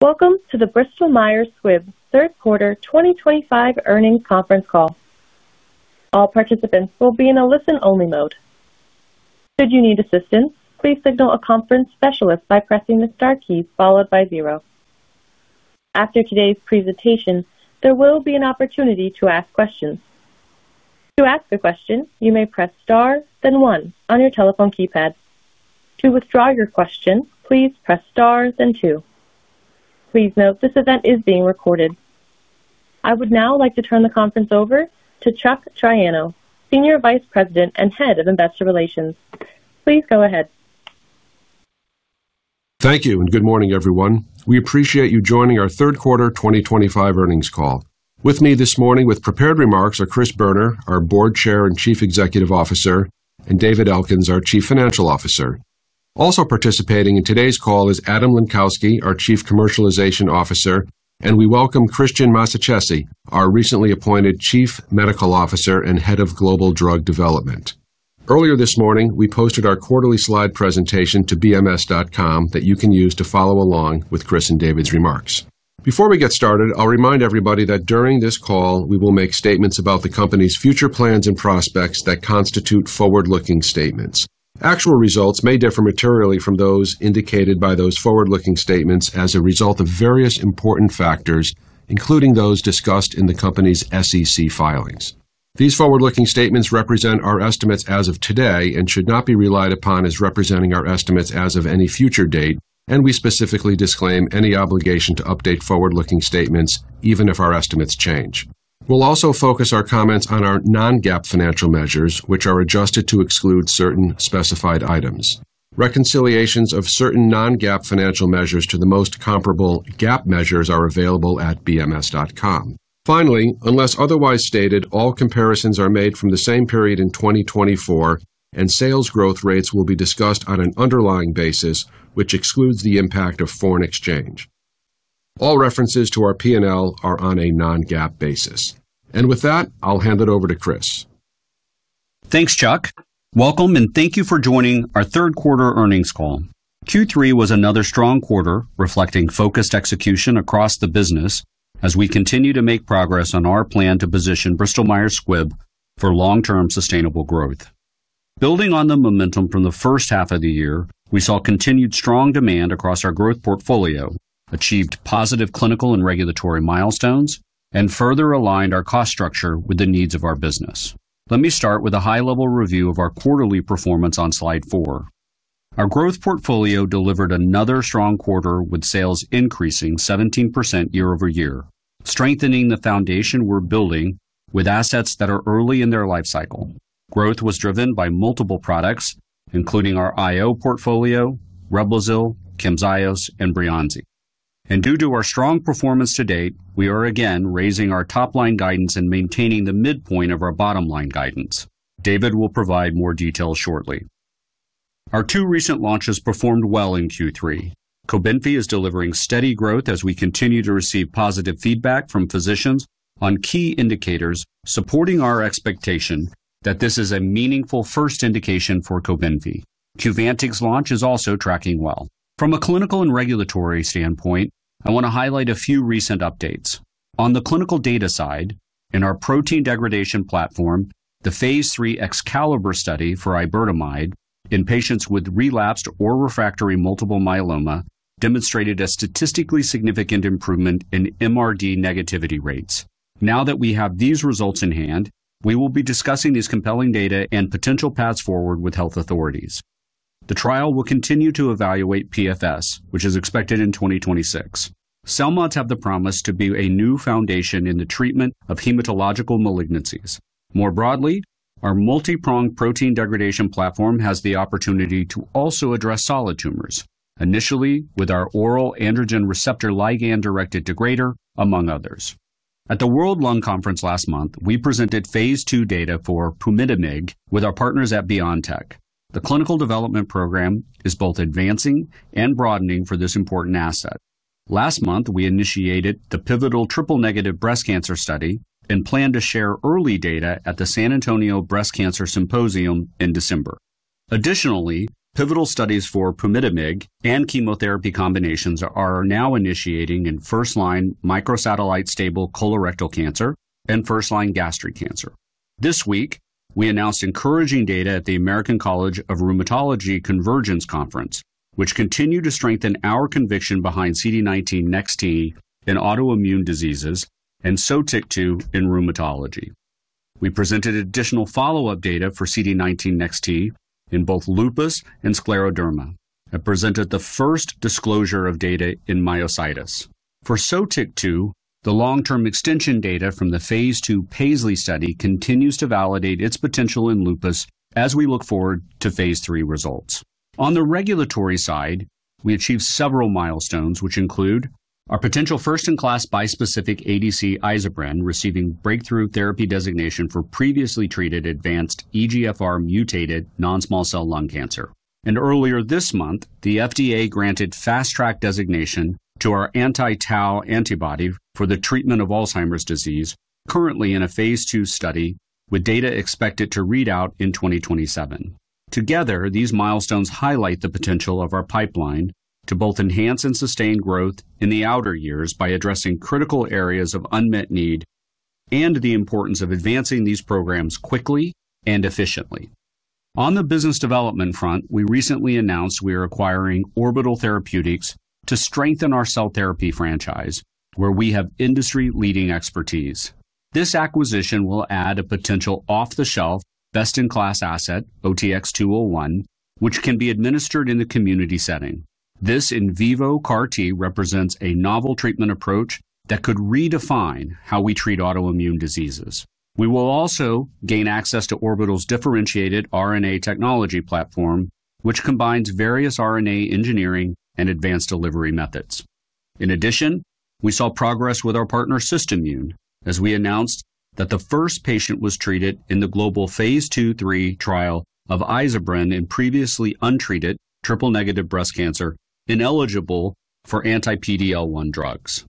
Welcome to the Bristol Myers Squibb third quarter 2025 earnings conference call. All participants will be in a listen-only mode. Should you need assistance, please signal a conference specialist by pressing the star key followed by zero. After today's presentation, there will be an opportunity to ask questions. To ask a question, you may press star, then one on your telephone keypad. To withdraw your question, please press star then two. Please note this event is being recorded. I would now like to turn the conference over to Chuck Triano, Senior Vice President and Head of Investor Relations. Please go ahead. Thank you and good morning everyone. We appreciate you joining our third quarter 2025 earnings call. With me this morning with prepared remarks are Chris Boerner, our Board Chair and Chief Executive Officer, and David Elkins, our Chief Financial Officer. Also participating in today's call is Adam Lenkowsky, our Chief Commercialization Officer. We welcome Christian Massacesi, our recently appointed Chief Medical Officer and Head of Global Drug Development. Earlier this morning we posted our quarterly slide presentation to BMS.com that you can use to follow along with Chris and David's remarks. Before we get started, I'll remind everybody that during this call we will make statements about the Company's future plans and prospects that constitute forward-looking statements. Actual results may differ materially from those indicated by those forward-looking statements as a result of various important factors including those discussed in the Company's SEC filings. These forward-looking statements represent our estimates as of today and should not be relied upon as representing our estimates as of any future date. We specifically disclaim any obligation to update forward-looking statements even if our estimates change. We'll also focus our comments on our non-GAAP financial measures which are adjusted to exclude certain specified items. Reconciliations of certain non-GAAP financial measures to the most comparable GAAP measures are available at BMS.com. Finally, unless otherwise stated, all comparisons are made from the same period in 2024 and sales grow`th rates will be discussed on an underlying basis which excludes the impact of foreign exchange. All references to our P&L are on a non-GAAP basis and with that I'll hand it over to Chris. Thanks Chuck. Welcome and thank you for joining our third quarter earnings call.Q3 was another strong quarter reflecting focused execution across the business as we continue to make progress on our plan to position Bristol Myers Squibb for long-term sustainable growth. Building on the momentum from the first half of the year, we saw continued strong demand across our growth portfolio, achieved positive clinical and regulatory milestones, and further aligned our cost structure with the needs of our business. Let me start with a high-level review of our quarterly performance on Slide 4. Our growth portfolio delivered another strong quarter with sales increasing 17% year-over-year, strengthening the foundation we're building with assets that are early in their life cycle. Growth was driven by multiple products including our IO portfolio, REBLOZYL, CAMZYOS, and BREYANZI. Due to our strong performance to date, we are again raising our top line guidance and maintaining the midpoint of our bottom line guidance. David will provide more detail shortly. Our two recent launches performed well in Q3. COBENFY is delivering steady growth as we continue to receive positive feedback from physicians on key indicators, supporting our expectation that this is a meaningful first indication for COBENFY. Qvantig's launch is also tracking well from a clinical and regulatory standpoint. I want to highlight a few recent updates on the clinical data side in our protein degradation platform. the phase III Excalibur study for Iberdomide in patients with relapsed or refractory Multiple myeloma demonstrated a statistically significant improvement in MRD negativity rates. Now that we have these results in hand, we will be discussing these compelling data and potential paths forward with health authorities. The trial will continue to evaluate PFS, which is expected in 2026. CELMoDs have the promise to be a new foundation in the treatment of Hematological malignancies. More broadly, our multi-pronged protein degradation platform has the opportunity to also address Solid tumors, initially with our Oral androgen receptor ligand directed degrader among others. At the World Lung Conference last month, we presented phase II data for pumitomig with our partners at BioNTech. The clinical development program is both advancing and broadening for this important asset. Last month we initiated the pivotal triple negative breast cancer study and plan to share early data at the San Antonio Breast Cancer Symposium in December. Additionally, pivotal studies for Pumitamig and chemotherapy combinations are now initiating in first line microsatellite stable Colorectal cancer and first line gastric cancer. This week we announced encouraging data at the American College of Rheumatology Convergence Conference which continued to strengthen our conviction behind CD19 next T in Autoimmune diseases and SOTIC2 in rheumatology. We presented additional follow up data for CD19 next T in both lupus and scleroderma and presented the first disclosure of data in Myositis for SOTIC2. The long-term extension data from the phase II PAISLEY study continues to validate its potential in lupus as we look forward phase III results. On the regulatory side, we achieved several milestones, which include our potential first-in-class bispecific ADC Isobren receiving breakthrough therapy designation for previously treated advanced EGFR-mutated non-small cell lung cancer, and earlier this month the FDA granted fast track designation to our anti-tau antibody for the treatment of Alzheimer's disease, currently in a phase II study with data expected to read out in 2027. Together, these milestones highlight the potential of our pipeline to both enhance and sustain growth in the outer years by addressing critical areas of unmet need and the importance of advancing these programs quickly and efficiently. On the business development front, we recently announced we are acquiring Orbital Therapeutics to strengthen our cell therapy franchise where we have industry-leading expertise. This acquisition will add a potential off-the-shelf best-in-class asset OTX-201, which can be administered in the community setting. This in vivo CAR T represents a novel treatment approach that could redefine how we treat autoimmune diseases. We will also gain access to Orbital's differentiated RNA technology platform, which combines various RNA engineering and advanced delivery methods. In addition, we saw progress with our partner SystemicMune as we announced that the first patient was treated in the global phase II/3 trial of Isobren in previously untreated Triple-negative breast cancer ineligible for anti-PD-L1 drugs.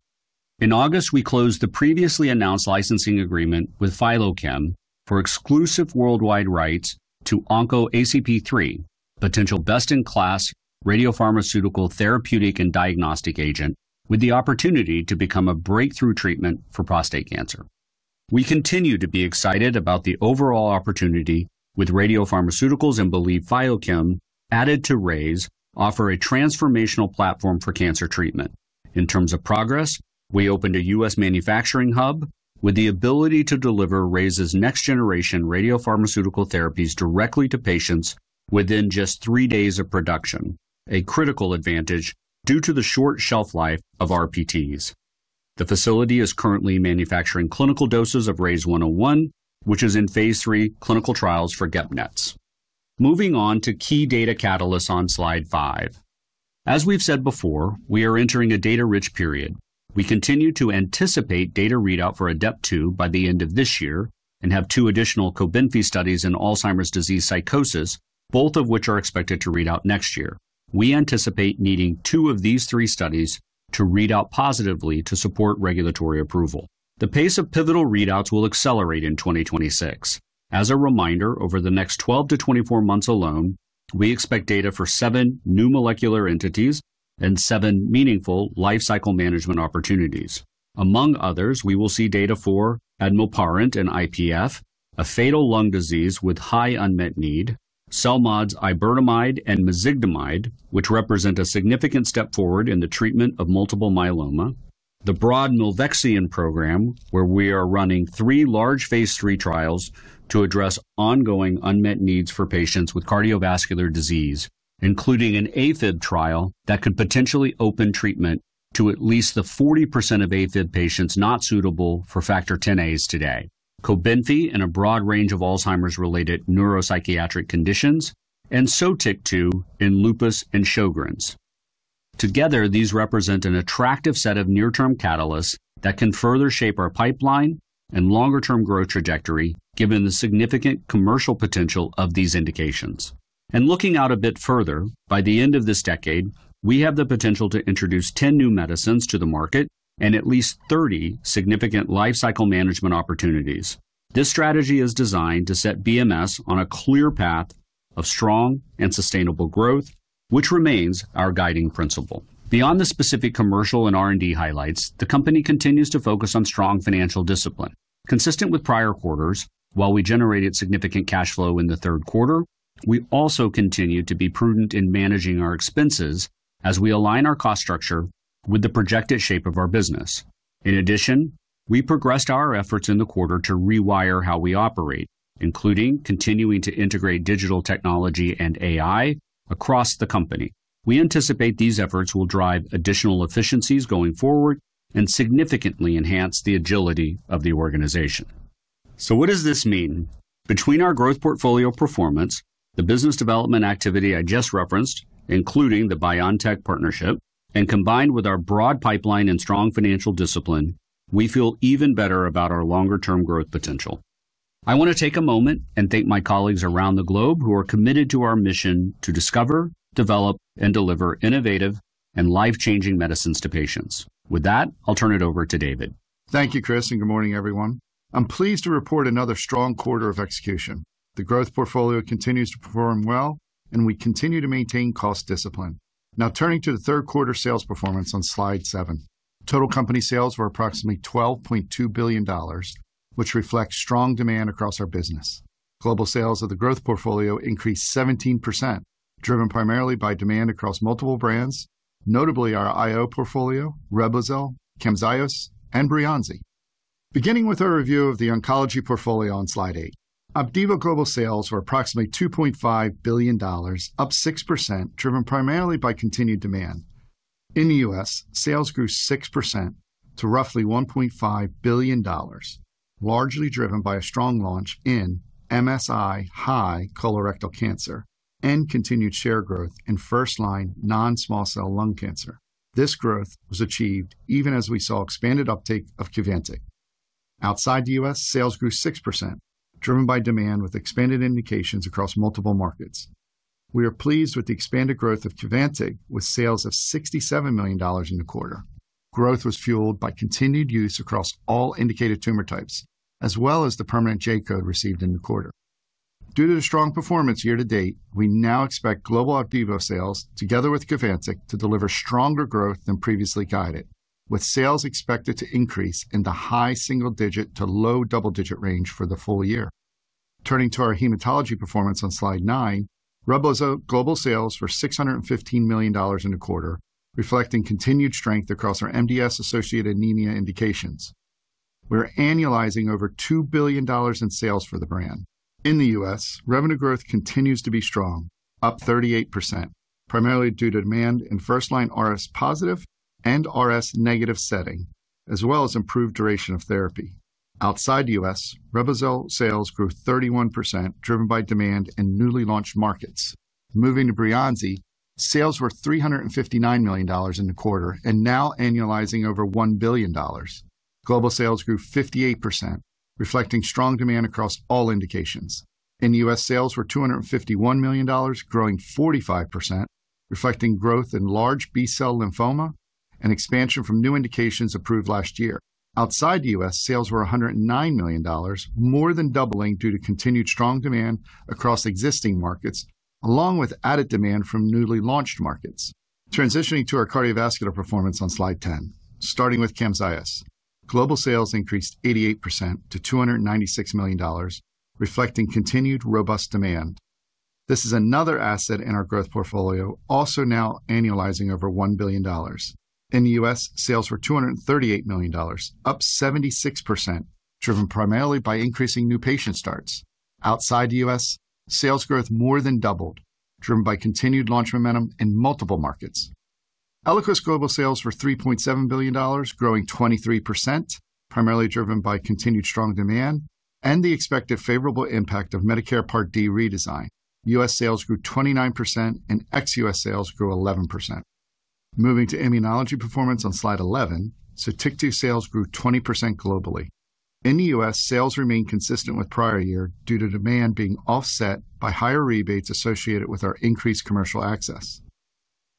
In August, we closed the previously announced licensing agreement with Phylochem for exclusive worldwide rights to Onco ACP 3, a potential best-in-class Radiopharmaceutical therapeutic and diagnostic agent with the opportunity to become a breakthrough treatment for prostate cancer. We continue to be excited about the overall opportunity with Radiopharmaceuticals and believe Phylochem added to RAISE offer a transformational platform for cancer treatment. In terms of progress, we opened a U.S. manufacturing hub with the ability to deliver RAISE's next-generation Radiopharmaceutical therapies directly to patients within just three days of production, a critical advantage due to the short shelf life of RPTs. The facility is currently manufacturing clinical doses of RAISE101, which is phase III clinical trials for GEPNETs. Moving on to key data catalysts on slide 5. As we've said before, we are entering a data-rich period. We continue to anticipate data readout for the ADEPT 2 program by the end of this year and have two additional COBENFY studies in Alzheimer's disease Psychosis, both of which are expected to read out next year. We anticipate needing two of these three studies to read out positively to support regulatory approval. The pace of pivotal readouts will accelerate in 2026. As a reminder, over the next 12-24 months alone, we expect data for seven new molecular entities and seven meaningful life cycle management opportunities. Among others, we will see data for Admilparant and IPF, a fatal lung disease with high unmet need, CELMoDs iberdomide and Mosigdamide, which represent a significant step forward in the treatment of Multiple myeloma. The broad Milvexian program, where we are running three phase III trials to address ongoing unmet needs for patients with Cardiovascular disease, includes an AFib trial that could potentially open treatment to at least 40% of AFib patients not suitable for factor X today. COBENFYin a broad range of Alzheimer's-related neuropsychiatric conditions and sotic 2 in Lupus and Sjogren's. Together, these represent an attractive set of near-term catalysts that can further shape our pipeline and longer-term growth trajectory. Given the significant commercial potential of these indications and looking out a bit further, by the end of this decade we have the potential to introduce 10 new medicines to the market and at least 30 significant life cycle management opportunities. This strategy is designed to set Bristol Myers Squibb on a clear path of strong and sustainable growth, which remains our guiding principle. Beyond the specific commercial and R&D highlights, the company continues to focus on strong financial discipline consistent with prior quarters. While we generated significant cash flow in the third quarter, we also continue to be prudent in managing our expenses as we align our cost structure with the projected shape of our business. In addition, we progressed our efforts in the quarter to rewire how we operate, including continuing to integrate digital technology and AI across the company. We anticipate these efforts will drive additional efficiencies going forward and significantly enhance the agility of the organization. What does this mean? Between our growth portfolio performance, the business development activity I just referenced, including the BioNTech partnership, and combined with our broad pipeline and strong financial discipline, we feel even better about our longer term growth potential. I want to take a moment and thank my colleagues around the globe who are committed to our mission to discover, develop, and deliver innovative and life-changing medicines to patients. With that, I'll turn it over to David. Thank you, Chris, and good morning, everyone. I'm pleased to report another strong quarter of execution. The growth portfolio continues to perform well, and we continue to maintain cost discipline. Now, turning to the third quarter sales performance on Slide 7, total company sales were approximately $12.2 billion, which reflects strong demand across our business. Global sales of the growth portfolio increased 17%, driven primarily by demand across multiple brands, notably our IO portfolio, REBLOZYL, CAMZYOS, and BREYANZI. Beginning with our review of the oncology portfolio on Slide 8, OPDIVO global sales were approximately $2.5 billion, up 6%, driven primarily by continued demand. In the U.S., sales grew 6% to roughly $1.5 billion, largely driven by a strong launch in MSI-high colorectal cancer and continued share growth in first-line non-small cell lung cancer. This growth was achieved even as we saw expanded uptake of Qvantig. Outside the U.S., sales grew 6%, driven by demand with expanded indications across multiple markets. We are pleased with the expanded growth of Qvantig, with sales of $67 million in the quarter. Growth was fueled by continued use across all indicated tumor types as well as the permanent J code received in the quarter. Due to the strong performance year-to-date, we now expect global OPDIVO sales together with Qvantig to deliver stronger growth than previously guided, with sales expected to increase in the high single-digit to low double-digit range for the full year. Turning to our hematology performance on Slide 9, REBLOZYL global sales were $615 million in the quarter, reflecting continued strength across our MDS-associated anemia indications. We are annualizing over $2 billion in sales for the brand. In the U.S., revenue growth continues to be strong, up 38%, primarily due to demand in first-line RS positive and RS negative setting as well as improved duration of therapy. Outside the U.S., REBLOZYL sales grew 31%, driven by demand in newly launched markets. Moving to BREYANZI, sales were $359 million in the quarter and now annualizing over $1 billion. Global sales grew 58%, reflecting strong demand across all indications. In the U.S., sales were $251 million, growing 45%, reflecting growth in large B cell lymphoma and expansion from new indications approved last year. Outside the U.S. Sales were $109 million, more than doubling due to continued strong demand across existing markets along with added demand from newly launched markets. Transitioning to our Cardiovascular performance, on slide 10, starting with CAMZYOS, global sales increased 88% to $296 million, reflecting continued robust demand. This is another asset in our growth portfolio, also now annualizing over $1 billion. In the U.S., sales were $238 million, up 76%, driven primarily by increasing new patient starts. Outside the U.S., sales growth more than doubled, driven by continued launch momentum in multiple markets. Eliquis global sales were $3.7 billion, growing 23%, primarily driven by continued strong demand and the expected favorable impact of Medicare Part D redesign. U.S. sales grew 29% and ex-U.S. sales grew 11%. Moving to immunology performance on slide 11, Sotyktu sales grew 20% globally. In the U.S., sales remained consistent with prior year due to demand being offset by higher rebates associated with our increased commercial access.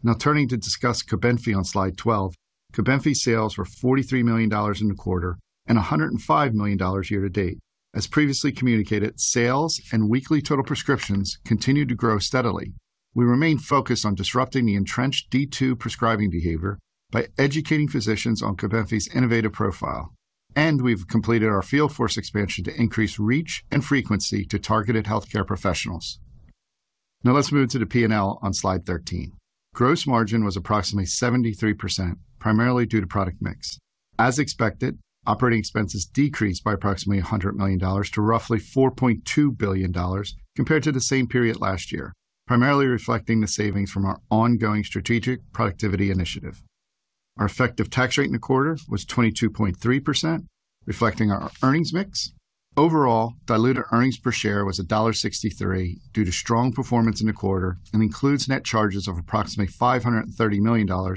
Now turning to discuss COBENFY on slide 12, COBENFY sales were $43 million in the quarter and $105 million year-to-date. As previously communicated, sales and weekly total prescriptions continue to grow steadily. We remain focused on disrupting the entrenched D2 prescribing behavior by educating physicians on COBENFY's innovative profile, and we've completed our field force expansion to increase reach and frequency to targeted healthcare professionals. Now let's move to the P&L. On slide 13, gross margin was approximately 73%, primarily due to product mix. As expected, operating expenses decreased by approximately $100 million to roughly $4.2 billion compared to the same period last year, primarily reflecting the savings from our ongoing Strategic Productivity Initiative. Our effective tax rate in the quarter was 22.3%, reflecting our earnings mix. Overall diluted earnings per share was $1.63 due to strong performance in the quarter and includes net charges of approximately $530 million, or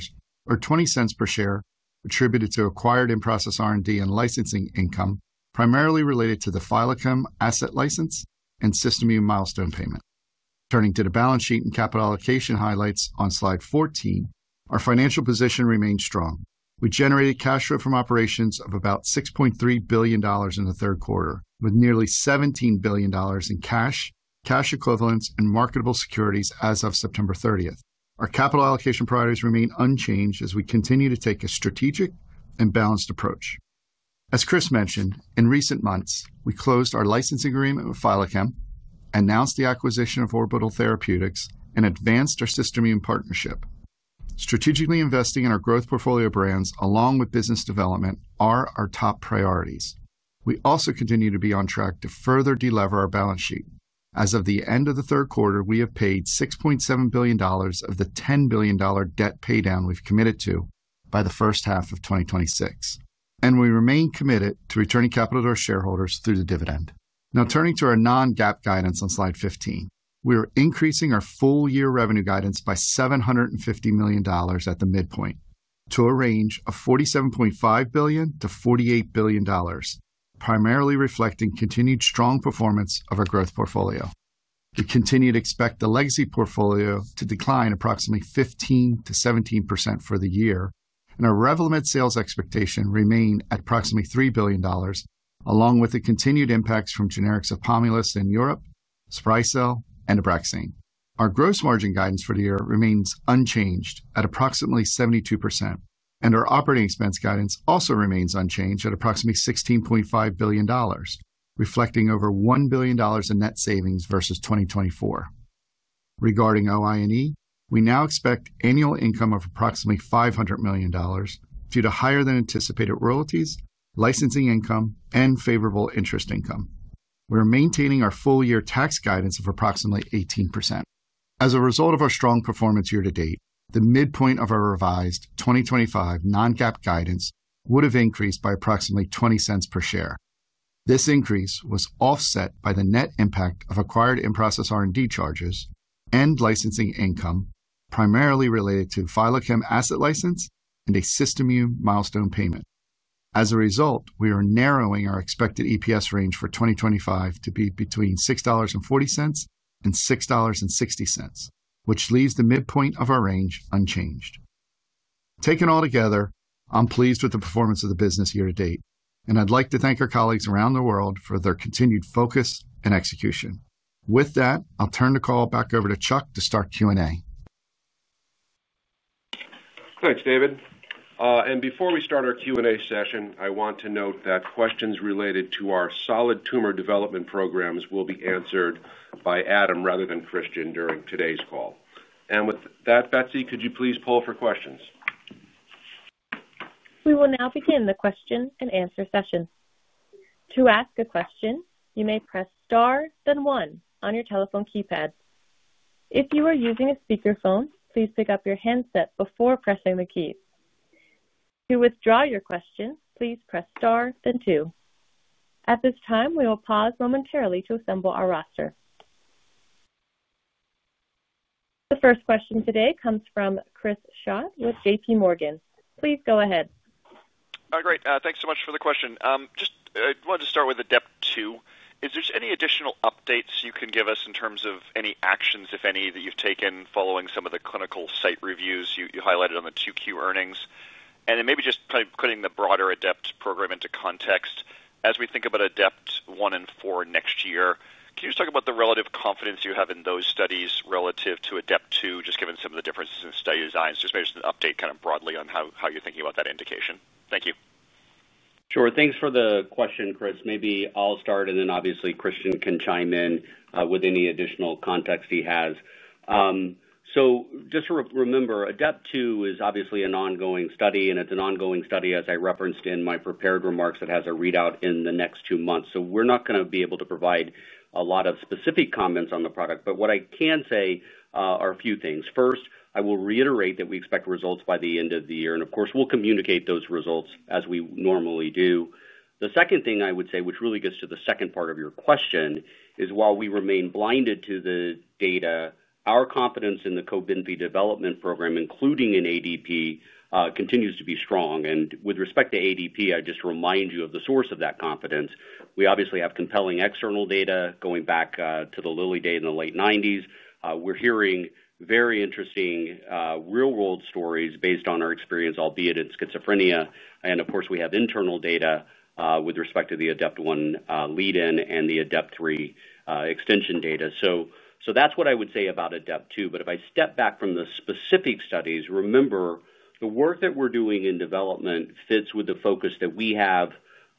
$0.20 per share, attributed to acquired in-process R&D and licensing income, primarily related to the Phylochem Asset License and SystemicMune milestone payment. Turning to the balance sheet and capital allocation highlights on slide 14, our financial position remains strong. We generated cash flow from operations of about $6.3 billion in the third quarter, with nearly $17 billion in cash, cash equivalents, and marketable securities as of September 30th. Our capital allocation priorities remain unchanged as we continue to take a strategic and balanced approach. As Chris mentioned, in recent months we closed our license agreement with Phylochem, announced the acquisition of Orbital Therapeutics, and advanced our SystemicMune partnership. Strategically investing in our growth portfolio brands along with business development are our top priorities. We also continue to be on track to further delever our balance sheet. As of the end of the third quarter, we have paid $6.7 billion of the $10 billion debt paydown we've committed to by the first half of 2026, and we remain committed to returning capital to our shareholders through the dividend. Now, turning to our non-GAAP guidance on Slide 15, we are increasing our full year revenue guidance by $750 million at the midpoint to a range of $47.5 billion-$48 billion, primarily reflecting continued strong performance of our growth portfolio. We continue to expect the legacy portfolio to decline approximately 15%-17% for the year and our REVLIMID sales expectation remain at approximately $3 billion, along with the continued impacts from generics of [Pomulous] in Europe, SPRYCEL, and Abraxane. Our gross margin guidance for the year remains unchanged at approximately 72% and our operating expense guidance also remains unchanged at approximately $16.5 billion, reflecting over $1 billion in net savings versus 2024. Regarding OIE, we now expect annual income of approximately $500 million due to higher than anticipated royalties, licensing income, and favorable interest income. We are maintaining our full year tax guidance of approximately 18%. As a result of our strong performance year to date, the midpoint of our revised 2025 non-GAAP guidance would have increased by approximately $0.20 per share. This increase was offset by the net impact of acquired in-process R&D charges and licensing income, primarily related to the Phylochem asset license and a SystemicMune milestone payment. As a result, we are narrowing our expected EPS range for 2025 to be between $6.40 and $6.60, which leaves the midpoint of our range unchanged. Taken all together, I'm pleased with the performance of the business year-to-date and I'd like to thank our colleagues around the world for their continued focus and execution. With that, I'll turn the call back over to Chuck to start Q&A. Thanks, David. Before we start our Q&A session, I want to note that questions related to our solid tumor development programs will be answered by Adam Lenkowsky. you, Christian, during today's call. Betsy, could you please poll for questions? We will now begin the question-and-answer session. To ask a question, you may press star then one on your telephone keypad. If you are using a speakerphone, please pick up your handset before pressing the key. To withdraw your question, please press star then two. At this time, we will pause momentarily to assemble our roster. The first question today comes from Chris Schott with JP Morgan. Please go ahead. Great. Thanks so much for the question. I wanted to start with the depth. Is there any additional updates you can give us in terms of any actions, if any, that you've taken following some? Of the clinical site reviews you highlighted. On the 2Q earnings? Maybe just putting the broader ADEPT program into context as we think about ADEPT 1 and 4 next year, can you just talk about the relative confidence you have in those studies relative to ADEPT 2, just given some of. The differences in study designs, just maybe. Just an update broadly on. How you're thinking about that indication. Thank you. Sure.Thanks for the question, Chris. Maybe I'll start and then obviously Christian can chime in with any additional context he has. Just remember the ADEPT 2 is obviously an ongoing study, as I referenced in my prepared remarks, that has a readout in the next two months. We're not going to be able to provide a lot of specific comments on the product. What I can say are a few things. First, I will reiterate that we expect results by the end of the year and of course we'll communicate those results as we normally do. The second thing I would say, which really gets to the second part of your question, is while we remain blinded to the data, our confidence in the COBENFY development program, including in ADEPT, continues to be strong. With respect to ADEPT, I just remind you of the source of that confidence. We obviously have compelling external data going back to the Lilly data in the late 1990s. We're hearing very interesting real world stories based on our experience, albeit in Schizophrenia. Of course, we have internal data with respect to the ADEPT 1 lead-in and the ADEPT 3 extension data. That's what I would say about ADEPT 2. If I step back from the specific studies, remember the work that we're doing in development fits with the focus that we have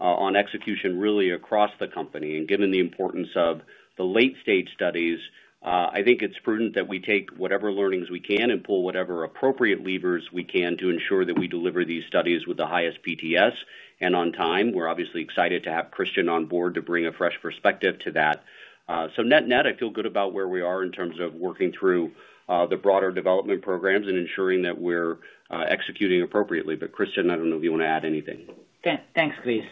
on execution really across the company. Given the importance of the late-stage studies, I think it's prudent that we take whatever learnings we can and pull whatever appropriate levers we can to ensure that we deliver these studies with the highest probability to succeed and on time. We're obviously excited to have Christian on board to bring a fresh perspective to that. Net net, I feel good about where we are in terms of working through the broader development programs and ensuring that we're executing appropriately. Christian, I don't know if you want to add anything. Thanks, Chris.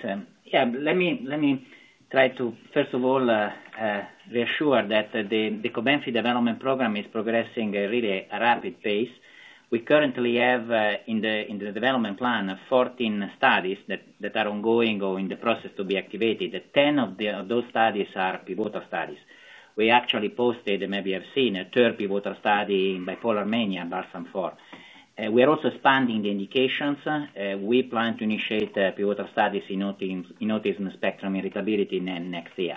Let me try to first of all reassure that the COBENFY Development program is progressing at a really rapid pace. We currently have in the development plan 14 studies that are ongoing or in the process to be activated. Ten of those studies are pivotal studies. We actually posted, maybe you have seen, a third pivotal study in bipolar mania, Barsam 4. We are also expanding the indications. We plan to initiate pure studies in autism spectrum irritability next year.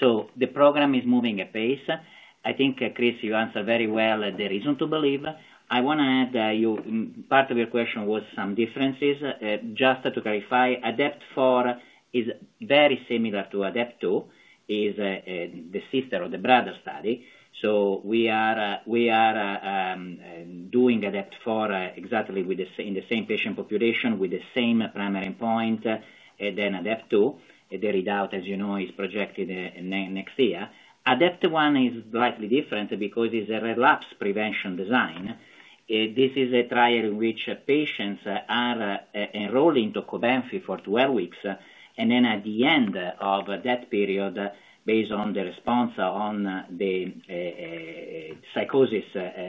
The program is moving apace, I think. Chris, you answered very well. The reason to believe I want to add, part of your question was some differences. Just to clarify, ADEPT 4 is very similar to ADEPT 2, it is the sister or the brother study. We are doing ADEPT 4 exactly in the same patient population with the same primary point. ADEPT 2, the readout, as you know, is projected next year. ADEPT 1 is slightly different because it's a relapse prevention design. This is a trial in which patients are enrolled into COBENFY for 12 weeks and then at the end of that period, based on the response on the psychosis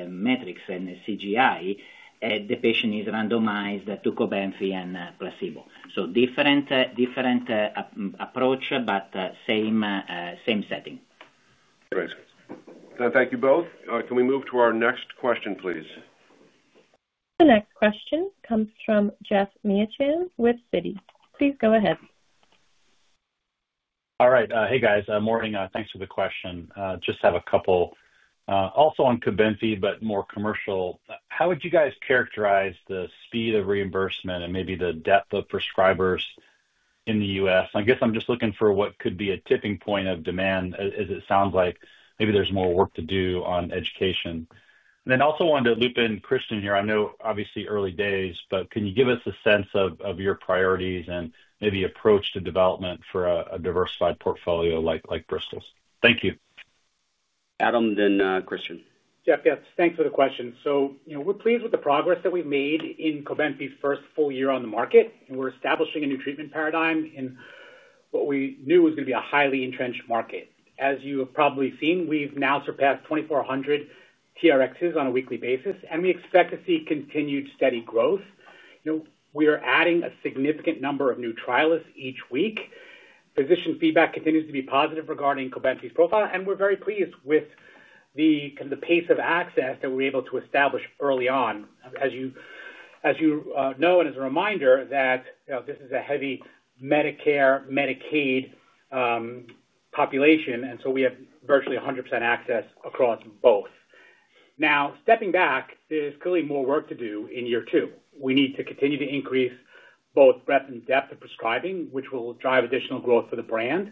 metrics and CGI, the patient is randomized to COBENFY and Placebo. Different approach, but same setting. Thank you both. Can we move to our next question, please? The next question comes from Geoff Meacham with Citi. Please go ahead. All right. Hey guys. Morning. Thanks for the question. Just have a couple. Also on COBENFY, but more commercial. How would you guys characterize the speed of reimbursement and maybe the depth of prescribers in the U.S.? I guess I'm just looking for what could be a tipping point of demand as it sounds. Maybe there's more work to do on education then. Also wanted to loop in Cristian Massacesi here. I know obviously early days, but can. You give us a sense of your. Priorities and maybe approach to development. A diversified portfolio like Bristol Myers Squibb's? Thank you, Adam, then Christian. Yes, thanks for the question. We're pleased with the progress that we've made in COBENFY first full year on the market, and we're establishing a new treatment paradigm in what we knew was going to be a highly entrenched market. As you have probably seen, we've now surpassed 2,400 TRXs on a weekly basis, and we expect to see continued steady growth. We are adding a significant number of new trialists each week. Physician feedback continues to be positive regarding COBENFY's profile, and we're very pleased with the pace of access that we're able to establish early on. As you know, and as a reminder, this is a heavy Medicare Medicaid population, and we have virtually 100% access across both. Now, stepping back, there's clearly more work to do in year two. We need to continue to increase both breadth and depth of prescribing, which will drive additional growth for the brand.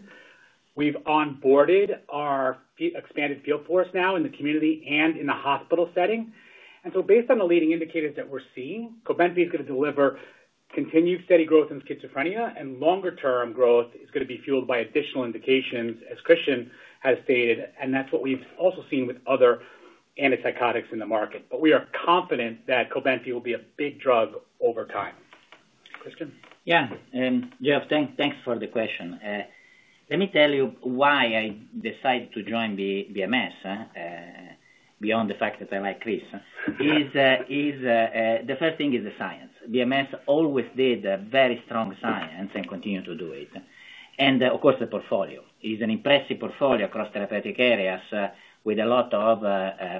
We've onboarded our expanded field force now in the community and in the hospital setting. Based on the leading indicators that we're seeing, COBENFY is going to deliver continued steady growth in Schizophrenia, and longer term growth is going to be fueled by additional indicators as Christian has stated. That's what we've also seen with other Antipsychotics in the market. We are confident that COBENFY will be a big drug over time. Christian? Yeah, Jeff, thanks for the question. Let me tell you why I decided to join Bristol Myers Squibb beyond the fact that I like Chris. The first thing is the science. Bristol Myers Squibb always did very strong science and continues to do it. Of course, the portfolio is an impressive portfolio across therapeutic areas with a lot of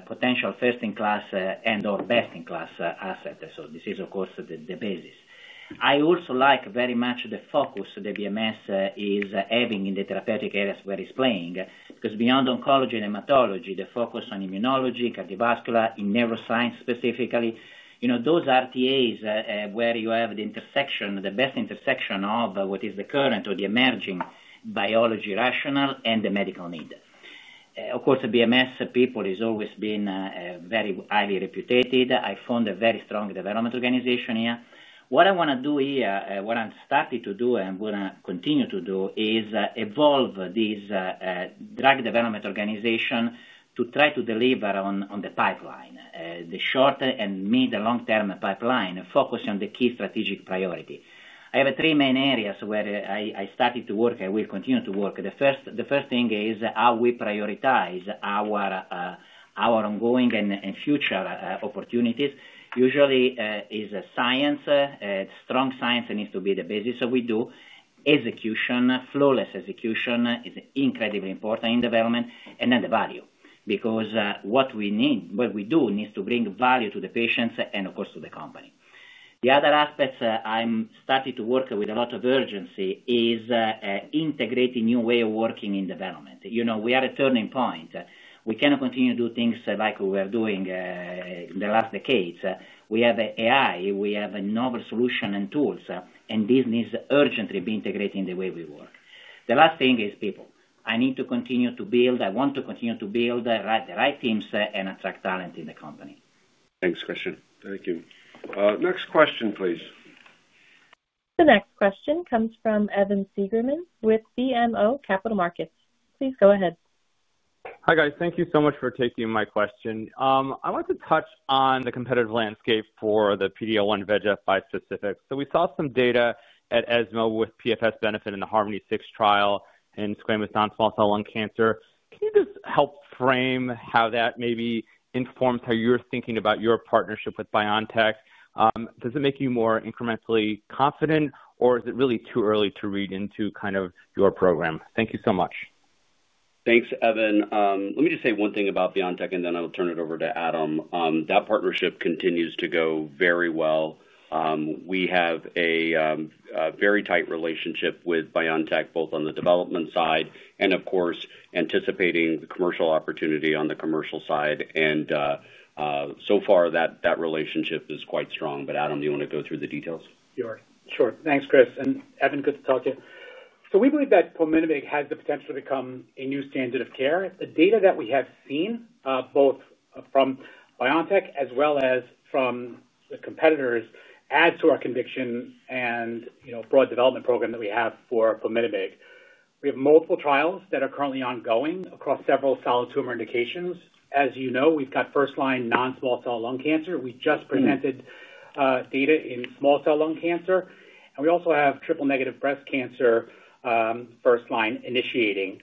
potential first-in-class and or best-in-class assets. This is, of course, the basis. I also like very much the focus that Bristol Myers Squibb is having in the therapeutic areas where it's playing because beyond Oncology and Hematology, the focus on Immunology, Cardiovascular, and Neuroscience, specifically those RTA's where you have the intersection, the best intersection of what is the current or the emerging biology rational and the medical need. Of course, Bristol Myers Squibb people have always been veriy highly reputated. I found a very strong development organization here. What I want to do here, what I'm starting to do and will continue to do, is evolve these drug development organizations to try to deliver on the pipeline, the short and mid-long term pipeline, focusing on the key strategic priority. I have three main areas where I started to work and we continue to work. The first thing is how we prioritize our ongoing and future opportunities. Usually, strong science needs to be the basis. We do execution. Flawless execution is incredibly important in development, and then the value, because what we need, what we do, needs to bring value to the patients and, of course, to the company. The other aspect I'm starting to work with a lot of urgency is integrating new ways of working in development. You know we are at a turning point. We can continue to do things like we were doing in the last decades. We have AI, we have novel solutions and tools, and this needs urgently to be integrated in the way we work. The last thing is people. I need to continue to build. I want to continue to build the right teams and attract talent in the company. Thanks Christian. Thank you. Next question, please. The next question comes from Evan Seigerman with BMO Capital Markets. Please go ahead. Hi guys, thank you so much for taking my question. I want to touch on the competitive. Landscape for the PD-1/VEGF bispecifics. We saw some data at ESMO with PFS benefit in the Harmony 6. Trial in squamous non-small cell lung cancer. Can you just help frame how that maybe informs how you're thinking about your partnership with BioNTech, does it make you. More incrementally confident or is it really too early to read into kind of your program? Thank you so much. Thanks, Evan. Let me just say one thing about BioNTech, and then I will turn it over to Adam. That partnership continues to go very well. We have a very tight relationship with BioNTech both on the development side and, of course, anticipating the commercial opportunity on the commercial side. So far, that relationship is quite strong. Adam, do you want to go through the details? Sure. Thanks Chris and Evan, good to talk to you. We believe that pomitomig has the potential to become a new standard of care. The data that we have seen both from BioNTech as well as from the competitors adds to our conviction and broad development program that we have for Pumitamig. We have multiple trials that are currently ongoing across several solid tumor indications. As you know, we've got first line non-small cell Lung cancer. We just presented data in small cell lung cancer and we also have triple negative breast cancer, first line initiating.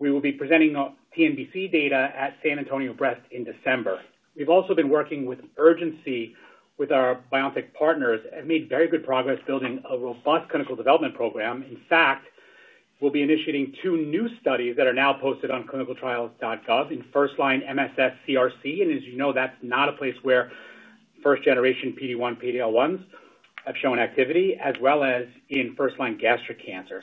We will be presenting TNBC data at San Antonio Breast in December. We've also been working with urgency with our BioNTech partners and made very good progress building a robust clinical development program. In fact, we'll be initiating two new studies that are now posted on ClinicalTrials.gov in first line MSS CRC. As you know, that's not a place where first generation PD-1/PD-L1s have shown activity as well as in first line gastric cancer.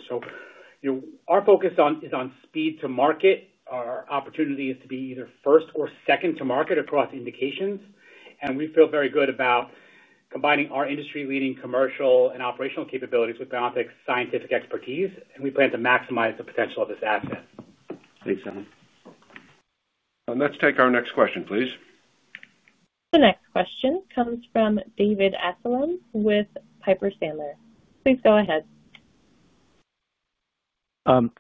Our focus is on speed to market. Our opportunity is to be either first or second to market across indications. We feel very good about combining our industry leading commercial and operational capabilities with BioNTech's scientific expertise. We plan to maximize the potential of this asset. Thanks, Evan. Let's take our next question, please. The next question comes from David Amsellem with Piper Sandler. Please go ahead.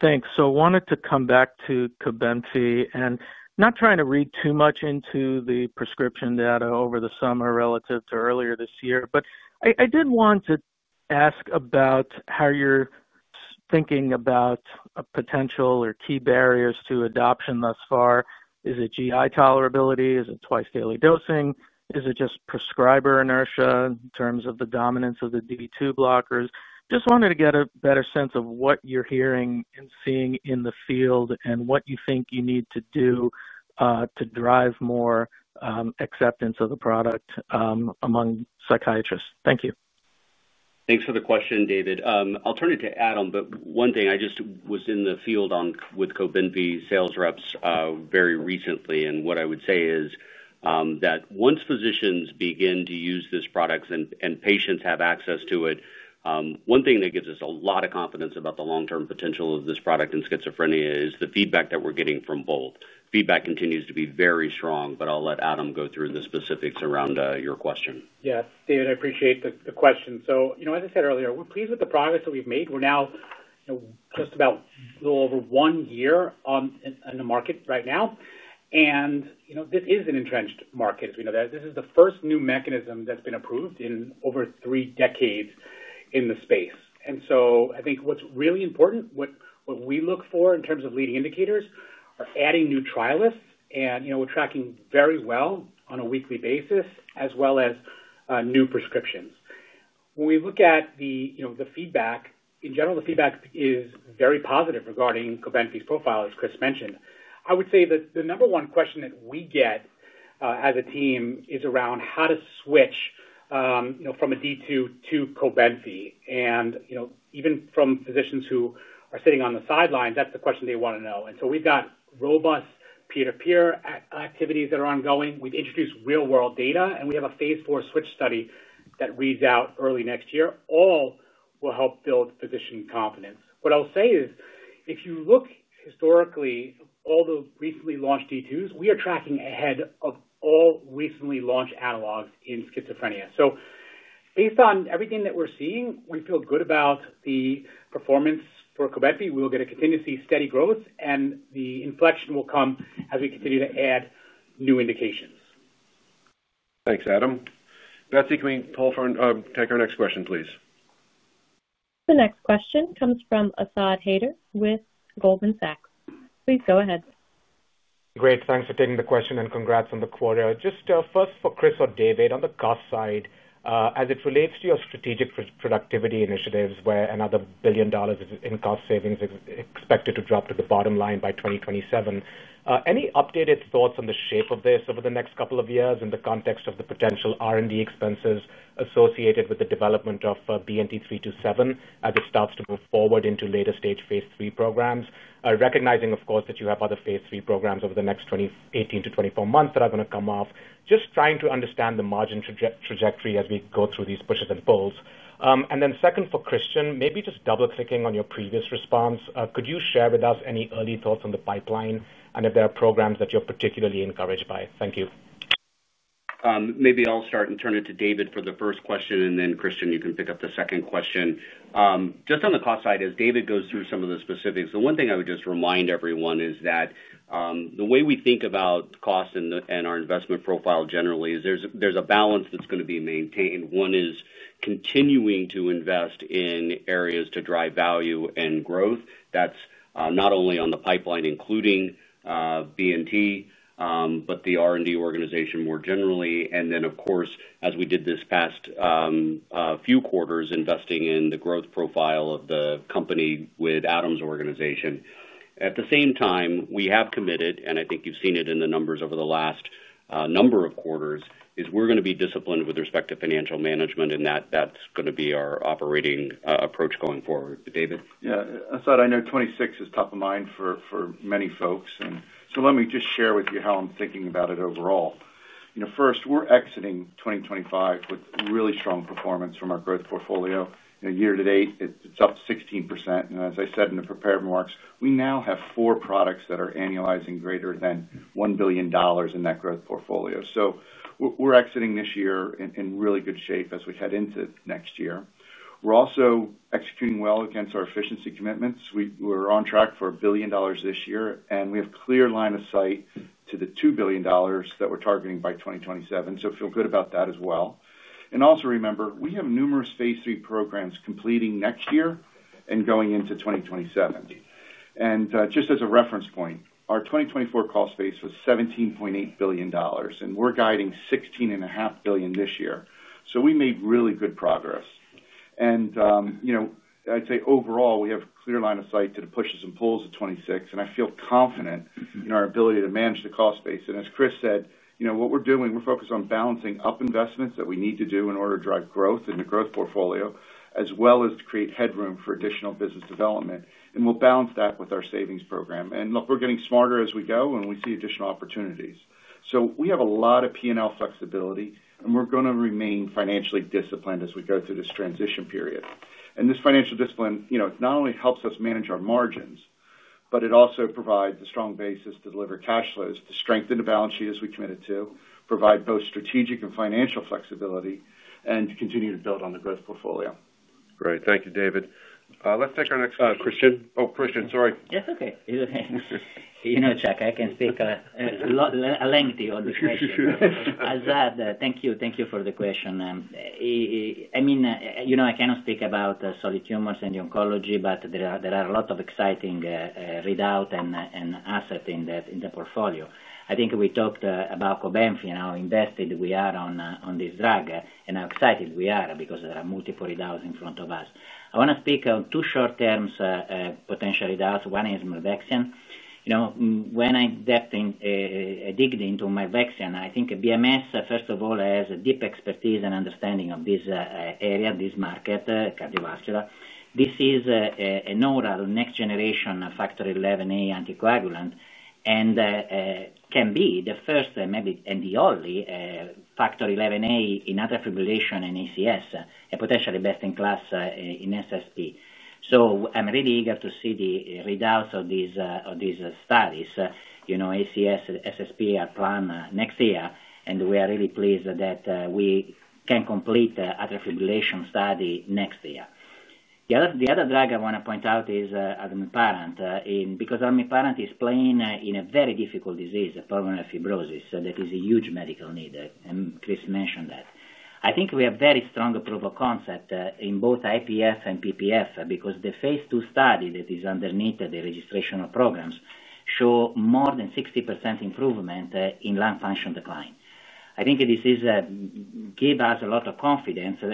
Thanks. I wanted to come back to COBENFY and not try to read too much into the prescription data over the summer relative to earlier this year, but I did want to ask about how you're thinking about potential or key barriers to adoption thus far. Is it GI tolerability? Is it twice daily dosing? Is it just prescriber inertia in terms of the dominance of the D2 blockers? I just wanted to get a better sense of what you're hearing and seeing in the field and what you think you need to do to drive more acceptance of the product among Psychiatrists. Thank you. Thanks for the question, David. I'll turn it to Adam. One thing, I just was in the field with COBENFY sales reps very recently, and what I would say is that once physicians begin to use this product and patients have access to it, one thing that gives us a lot of confidence about the long-term potential of this product in Schizophrenia is the feedback that we're getting from both. Feedback continues to be very strong. I'll let Adam go through the specifics around your question. Yeah, David, I appreciate the question. As I said earlier, we're pleased with the progress that we've made. We're now just about a little over one year in the market right now. This is an entrenched market as we know that this is the first new mechanism that's been approved in over three decades in the space. I think what's really important, what we look for in terms of leading indicators, are adding new trialists and we're tracking very well on a weekly basis as well as new prescriptions. When we look at the feedback in general, the feedback is very positive. Regarding COBENFY's profile, as Chris mentioned, I would say that the number one question that we get as a team is around how to switch from a D2 to COBENFY and even from physicians who are sitting on the sidelines, that's the question they want to know. We've got robust peer-to-peer activities that are ongoing. We've introduced real-world data and we have a phase IV switch study that reads out early next year. All will help build physician confidence. What I'll say is if you look historically, all the recently launched D2s, we are tracking ahead of all recently launched analogs in Schizophrenia. Based on everything that we're seeing, we feel good about the performance for COBENFY. We will get a continuous steady growth and the inflection will come as we continue to add new indications. Thanks, Adam.Betsy, can we take our next question, please? The next question comes from Asad Haider with Goldman Sachs. Please go ahead. Great. Thanks for taking the question and congrats on the quarter. Just first for Chris or David on the cost side as it relates to your strategic productivity initiatives where another $1 billion is incorporated. Cost savings expected to drop to the bottom line by 2027. Any updated thoughts on the shape of this over the next couple of years in the context of the potential R&D expenses associated with the development of BNT327 as it starts to move forward into later stage phase three programs. Recognizing, of course, that you have other phase three programs over the next 2018 to 2024 months that are going to come off. Just trying to understand the margin trajectory as we go through these pushes and pulls. Then second for Christian, maybe just double clicking on your previous response, could you share with us any early thoughts on the pipeline and if there are programs that you're particularly encouraged by? Thank you. Maybe I'll start and turn it to David for the first question, and then Christian, you can pick up the second question. Just on the cost side as David goes through some of the specifics, the one thing I would just remind everyone is that the way we think about costs and our investment profile generally is there's a balance that's going to be maintained. One is continuing to invest in areas to drive value and growth. That's not only on the pipeline, including BNT, but the R&D organization more generally. Of course, as we did this past few quarters, investing in the growth profile of the company with Adam's organization, at the same time, we have committed, and I think you've seen it in the numbers over the last number of quarters, we're going to be disciplined with respect to financial management, and that's going to be our operating approach going forward .David. yeah, Asad, I know 2026 is top of mind for many folks, so let me just share with you how. I'm thinking about it overall. First, we're exiting 2025 with really strong. Performance from our growth portfolio. Year to date, it's up 16%. As I said in the prepared remarks, we now have four products that are annualizing greater than $1 billion in that growth portfolio. We're exiting this year in really good shape. As we head into next year, we're also executing well against our efficiency commitments. We're on track for $1 billion this year, and we have clear line of sight to the $2 billion that we're targeting by 2027. I feel good about that as well. Also remember, we have numerous phase three programs, programs completing next year and going into 2027. Just as a reference point, our 2024 cost base was $17.8 billion, and we're guiding $16.5 billion this year. We made really good progress. Overall, we have clear line of sight to the pushes and pulls of 2026, and I feel confident in our ability to manage the cost base. As Chris said, you know what we're doing, we're focusing on balancing up investments that we need to do in order to drive growth in the growth portfolio as well as to create headroom for additional business development. We'll balance that with our savings program. Look, we're getting smarter as we go, and we see additional opportunities. We have a lot of P&L flexibility, and we're going to remain financially disciplined as we go through this transition period. This financial discipline not only helps us manage our margins, but it also provides a strong basis to deliver cash flows to strengthen the balance sheet as we committed to provide both strategic and financial flexibility and continue to build on the growth portfolio. Great. Thank you. David, let's take our next question. Oh, Christian, sorry. Yes. Okay. You know, Chuck, I can speak at length on the question. Thank you. Thank you for the question. I mean, I cannot speak about solid tumors and Oncology, but there are a lot of exciting readouts and assets in the portfolio. I think we talked about COBENFY and how invested we are in this drug and how excited we are because there are multiple readouts in front of us. I want to speak on two short-term potentials. One is milvexian. When I dig into Milvexian, I think Bristol Myers Squibb, first of all, has a deep expertise and understanding of this area, this market, cardiovascular. This is a novel next-generation factor 11A anticoagulant and can be the first, maybe the only, factor 11A in atrial fibrillation and ACS and potentially best in class in SSP. I'm really eager to see the results of these studies. ACS, SSP are planned next year, and we are really pleased that we can complete the atrial fibrillation study next year. The other drug I want to point out is admilparant. because admilparant. is playing in a very difficult disease, pulmonary fibrosis. That is a huge medical need, and Chris mentioned that. I think we have a very strong approval concept in both IPF and PPF because the phase two study that is underneath the registration programs showed more than 60% improvement in lung function decline. I think this gives us a lot of confidence in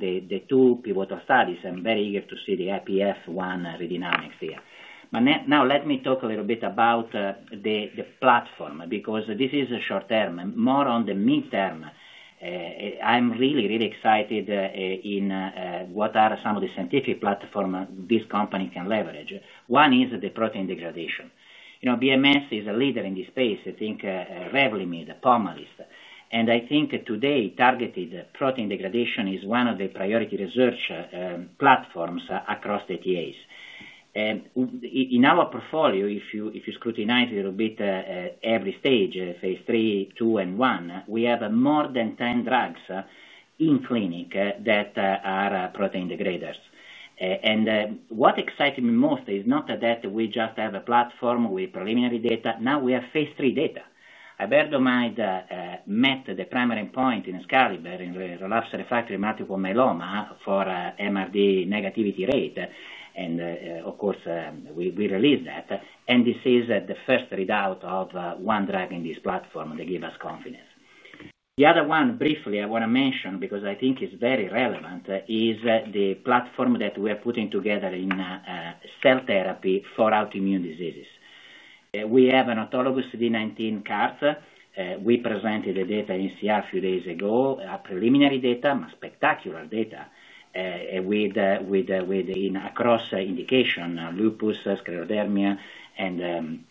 the two pivotal studies. I'm very eager to see the IPF1 readouts here. Now let me talk a little bit about the platform because this is short-term, more on the midterm. I'm really, really excited in what are some of the scientific platforms this company can leverage. One is protein degradation. Bristol Myers Squibb is a leader in this space. I think REVLIMID, Pomalyst, and I think today targeted protein degradation is one of the priority research platforms across the TAs in our portfolio. If you scrutinize a little bit every stage, phase three, two, and one, we have more than 10 drugs in clinic that are protein degraders. What excites me most is not that we just have a platform with preliminary data. Now we have phase three data. Iberdomide met the primary point in Excalibur in relapsed refractory multiple myeloma for MRD negativity rate. Of course, we released that. This is the first readout of one drug in this platform that gives us confidence. The other one, briefly I want to mention, because I think it's very relevant, is the platform that we are putting together in Cell therapy for Autoimmune diseases. We have an autologous CD19 CAR T. We presented the data in Seattle a few days ago. Preliminary data, spectacular data, cross indication, lupus, scleroderma, and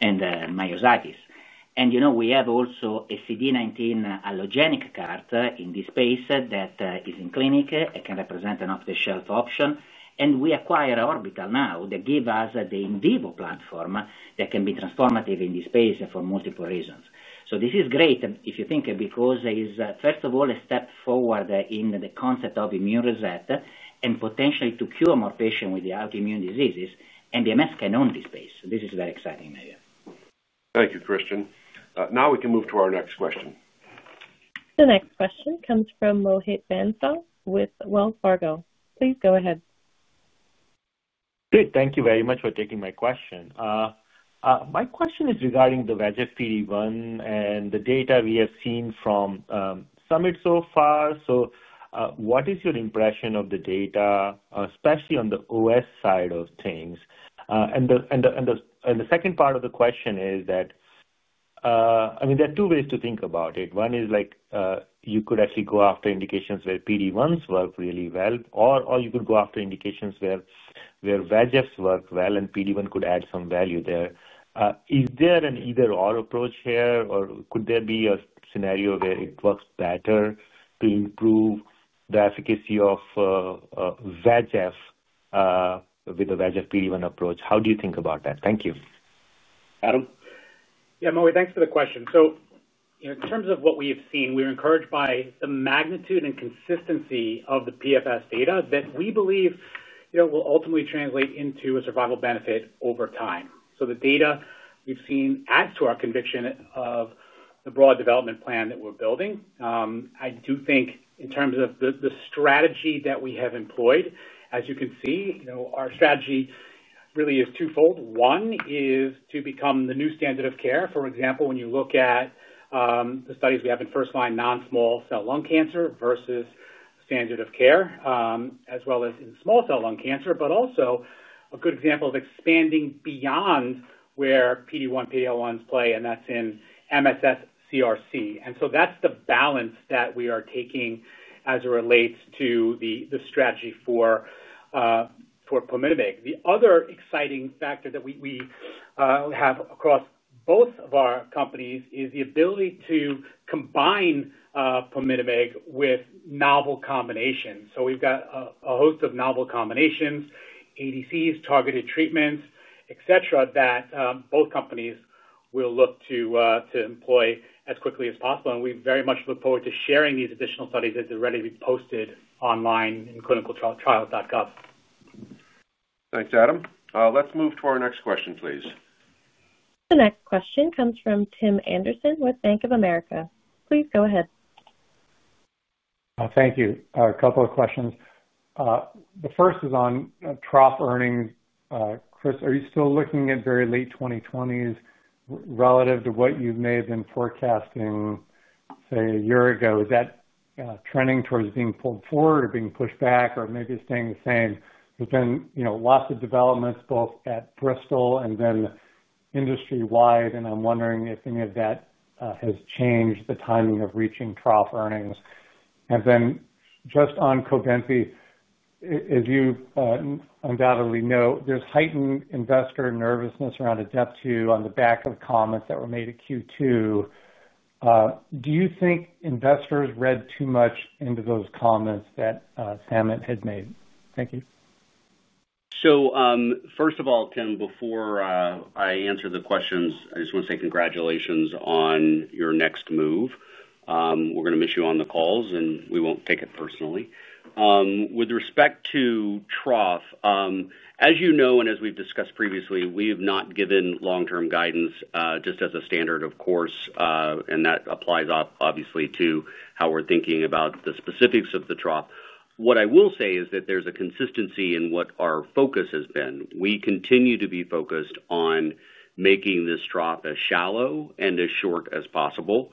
Myositis. We have also a CD19 allogeneic CAR T in this space that is in clinic. It can represent an off-the-shelf option. We acquired Orbital Therapeutics now that gives us the in vivo platform that can be transformative in this space for multiple reasons. This is great if you think, because it's first of all a step forward in the concept of immune reset and potentially to cure more patients with the autoimmune diseases. Bristol Myers Squibb can own this space. This is very exciting. Thank you, Christian. Now we can move to our next question. The next question comes from Mohit Bansal with Wells Fargo. Please go ahead. Great. Thank you very much for taking my question. My question is regarding the VEGF PD-1 and the data we have seen from Summit so far. What is your impression of the data, especially on the OS side of things? The second part of the question is that there are two ways to think about it. One is you could actually go after indications where PD-1s work really well, or you could go after indications where VEGFs work well and PD-1 could add some value there. Is there an either or approach here, or could there be a scenario where it works better to improve the efficacy of VEGF with the VEGF PD-1 approach? How do you think about that? Thank you, Adam. Yeah, Moe, thanks for the question. In terms of what we have seen, we are encouraged by the magnitude and consistency of the PFS data that we believe will ultimately translate into a survival benefit over time. The data we've seen adds to our conviction of the broad development plan that we're building. I do think in terms of the strategy that we have employed, as you can see, our strategy really is twofold. One is to become the new standard of care. For example, when you look at the studies we have in first line non-small cell lung cancer versus standard of care as well as in small cell lung cancer, but also a good example of expanding beyond where PD-1/PD-L1s play and that's in MSS CRC. That's the balance that we are taking as it relates to the strategy for pomitomig. The other exciting factor that we have across both of our companies is the ability to combine Pumitamig with novel combinations. We've got a host of novel combinations, ADCs, targeted treatments, et cetera, that both companies will look to employ as quickly as possible. We very much look forward to sharing these additional studies that are ready to be posted online in ClinicalTrials.gov. Thanks, Adam. Let's move to our next question, please. The next question comes from Tim Anderson with Bank of America. Please go ahead. Thank you. A couple of questions. The first is on trough earnings. Chris, are you still looking at very late 2020s relative to what you may have been forecasting, say a year ago? Is that trending towards being pulled forward or being pushed back or maybe staying the same? There's been lots of developments both at Bristol Myers Squibb and then industry wide, and I'm wondering if any of that has changed the timing of reaching trough earnings. Then just on COBENFY, as you undoubtedly know, there's heightened investor nervousness around the ADEPT program on the back of comments that were made at Q2. Do you think investors read too much into those comments that Samit has made? Thank you. First of all, Tim, before I answer the questions, I just want to say congratulations on your next move. We're going to miss you on the calls and we won't take it personally. With respect to trough, as you know and as we've discussed previously, we have not given long-term guidance just as a standard of course, and that applies obviously to how we're thinking about the specifics of the trough. What I will say is that there's a consistency in what our focus has been. We continue to be focused on making this trough as shallow and as short as possible.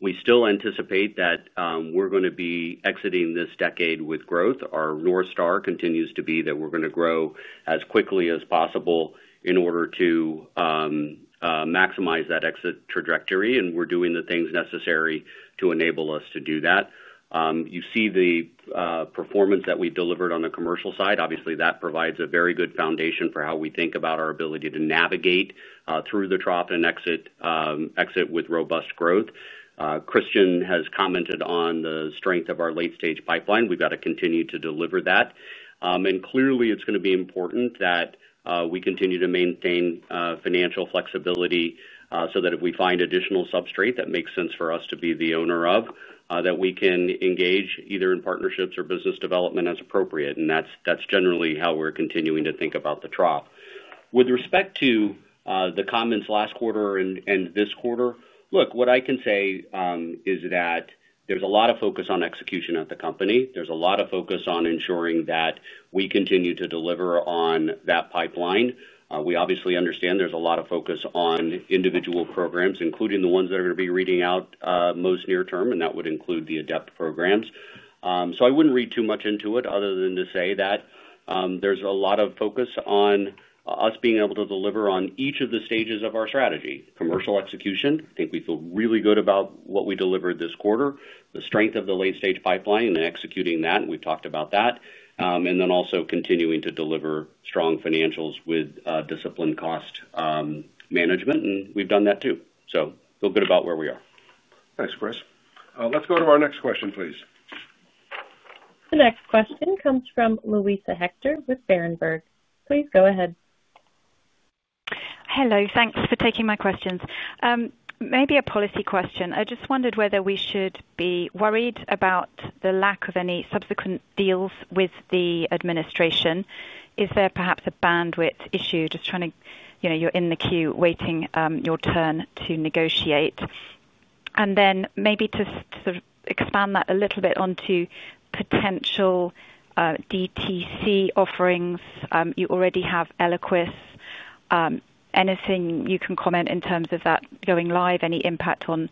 We still anticipate that we're going to be exiting this decade with growth. Our North Star continues to be that we're going to grow as quickly as possible in order to maximize that exit trough trajectory, and we're doing the things necessary to enable us to do that. You see the performance that we delivered on the commercial side. Obviously, that provides a very good foundation for how we think about our ability to navigate through the trough and exit with robust growth. Christian has commented on the strength of our late-stage pipeline. We've got to continue to deliver that, and clearly it's going to be important that we continue to maintain financial flexibility so that if we find additional substrate that makes sense for us to be the owner of that, we can engage either in partnerships or business development as appropriate. That's generally how we're continuing to think about the trough. With respect to the comments last quarter and this quarter, what I can say is that there's a lot of focus on execution at the company. There's a lot of focus on ensuring that we continue to deliver on that pipeline. We obviously understand there's a lot of focus on individual programs, including the ones that are going to be reading out most near term, and that would include the ADEPT programs. I wouldn't read too much into it other than to say that there's a lot of focus on us being able to deliver on each of the stages of our strategy, commercial execution. I think we feel really good about what we delivered this quarter, the strength of the late-stage pipeline and executing that, and we've talked about that, and then also continuing to deliver strong financials with disciplined cost management. We've done that too. I feel good about where we are. Thanks, Chris. Let's go to our next question, please. The next question comes from Louisa Hector with Barenberg. Please go ahead. Hello. Thanks for taking my questions. Maybe a policy question. I just wondered whether we should be worried about the lack of any subsequent deals with the administration. Is there perhaps a bandwidth issue? Just trying to, you know, you're in the queue, waiting your turn to negotiate and then maybe to sort of expand that a little bit onto potential DTC offerings. You already have Eliquis. Anything you can comment in terms of that going live? Any impact on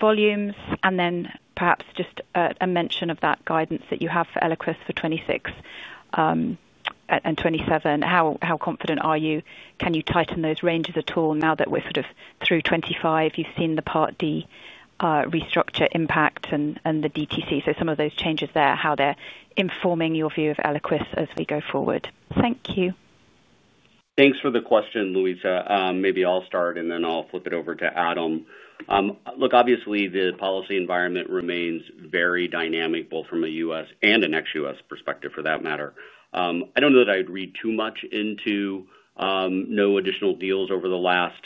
volumes, and then perhaps just a mention of that guidance that you have for Eliquis for 2026 and 2027. How confident are you? Can you tighten those ranges at all? Now that we're sort of through 2025, you've seen the Part D restructure impact and the DTC. Some of those changes there, how they're informing your view of Eliquis as we go forward. Thanks. Thank you. Thanks for the question, Louisa, maybe I'll start and then I'll flip it over to Adam. Look, obviously the policy environment remains very dynamic, both from a U.S. and an ex-U.S. perspective. For that matter, I don't know that I'd read too much into no additional deals over the last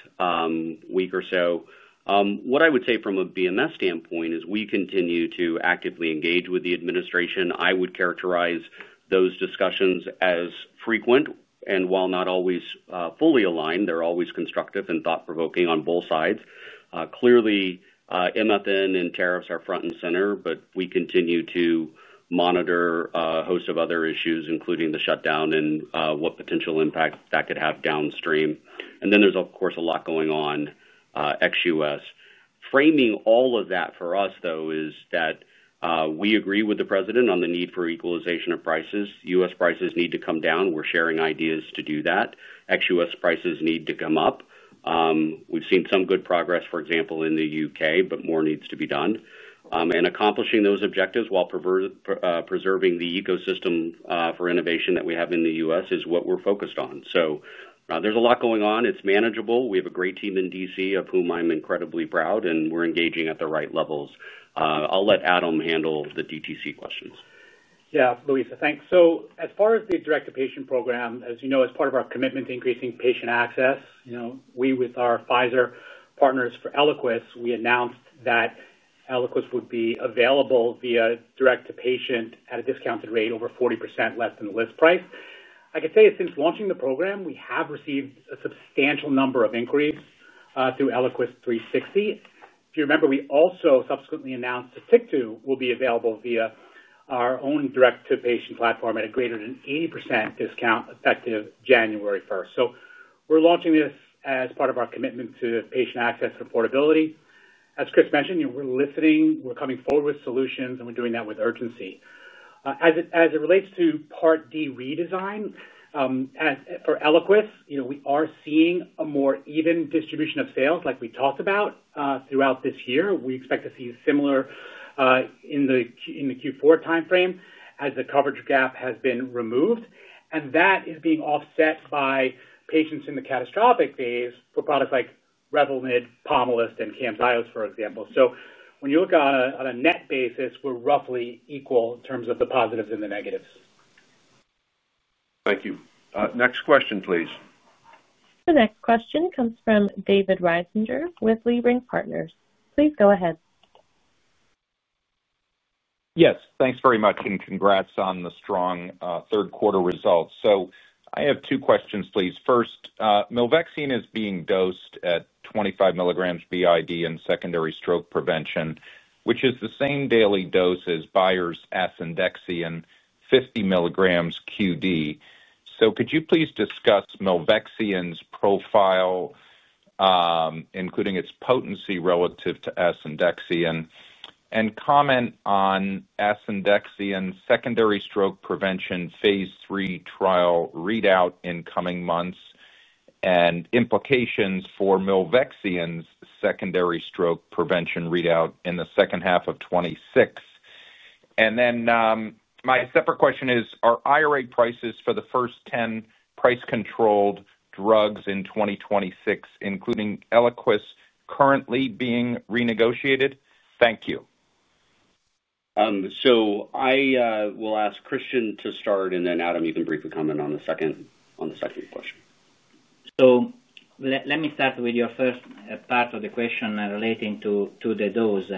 week or so. What I would say from a Bristol Myers Squibb standpoint is we continue to actively engage with the administration. I would characterize those discussions as frequent and while not always fully aligned, they're always constructive and thought provoking on both sides. Clearly, MFN and tariffs are front and center, but we continue to monitor a host of other issues, including the shutdown and what potential impact that could have downstream. There is, of course, a lot going on ex-U.S. Framing all of that for us though, is that we agree with the President on the need for equalization of prices. U.S. prices need to come down. We're sharing ideas to do that. Ex-U.S. prices need to come up. We've seen some good progress, for example, in the U.K., but more needs to be done. Accomplishing those objectives while preserving the ecosystem for innovation that we have in the U.S. is what we're focused on. There's a lot going on. It's manageable. We have a great team in D.C. of whom I'm incredibly proud, and we're engaging at the right levels. I'll let Adam handle the DTC questions. Yeah, Louisa, thanks. As far as the Direct to Patient program, as you know, as part of our commitment to increasing patient access, we, with our Pfizer partners for Eliquis, announced that Eliquis would be available via Direct to Patient at a discounted rate over 40% less than the list price, I could say. Since launching the program, we have received a substantial number of inquiries through Eliquis 360, if you remember. We also subsequently announced that TICTU will be available via our own Direct to Patient platform at a greater than 80% discount effective January 1, 2024. We're launching this as part of our commitment to patient access and affordability. As Chris mentioned, we're listening, we're coming forward with solutions, and we're doing that with urgency. As it relates to Part D redesign for Eliquis, we are seeing a more even distribution of sales like we talked about throughout this year. We expect to see similar in the Q4 timeframe as the coverage gap has been removed, and that is being offset by patients in the catastrophic phase for products like REVLIMID, Pomalyst, and CAMZYOS, for example. When you look on a net basis, we're roughly equal in terms of the positives and the negatives. Thank you. Next question, please. The next question comes from David Risinger with Leerink Partners. Please go ahead. Yes, thanks very much and congrats on the strong third quarter results. I have two questions, please. First, milvexian is being dosed at 25 mg BID in secondary stroke prevention, which is the same daily dose as Bayer's Asundexian, 50 mg QD. Could you please discuss milvexian's profile including its potency relative to Asundexian and comment on asundexian secondary stroke phase III trial readout in coming months and implications for milvexian's secondary stroke prevention readout in second half 2026. My separate question is, are IRA prices for the first 10 price controlled drugs in 2026, including Eliquis, currently being renegotiated? Thank you. I will ask Christian to start, and then Adam, you can briefly comment on the second question. Let me start with your first part of the question relating to the dose.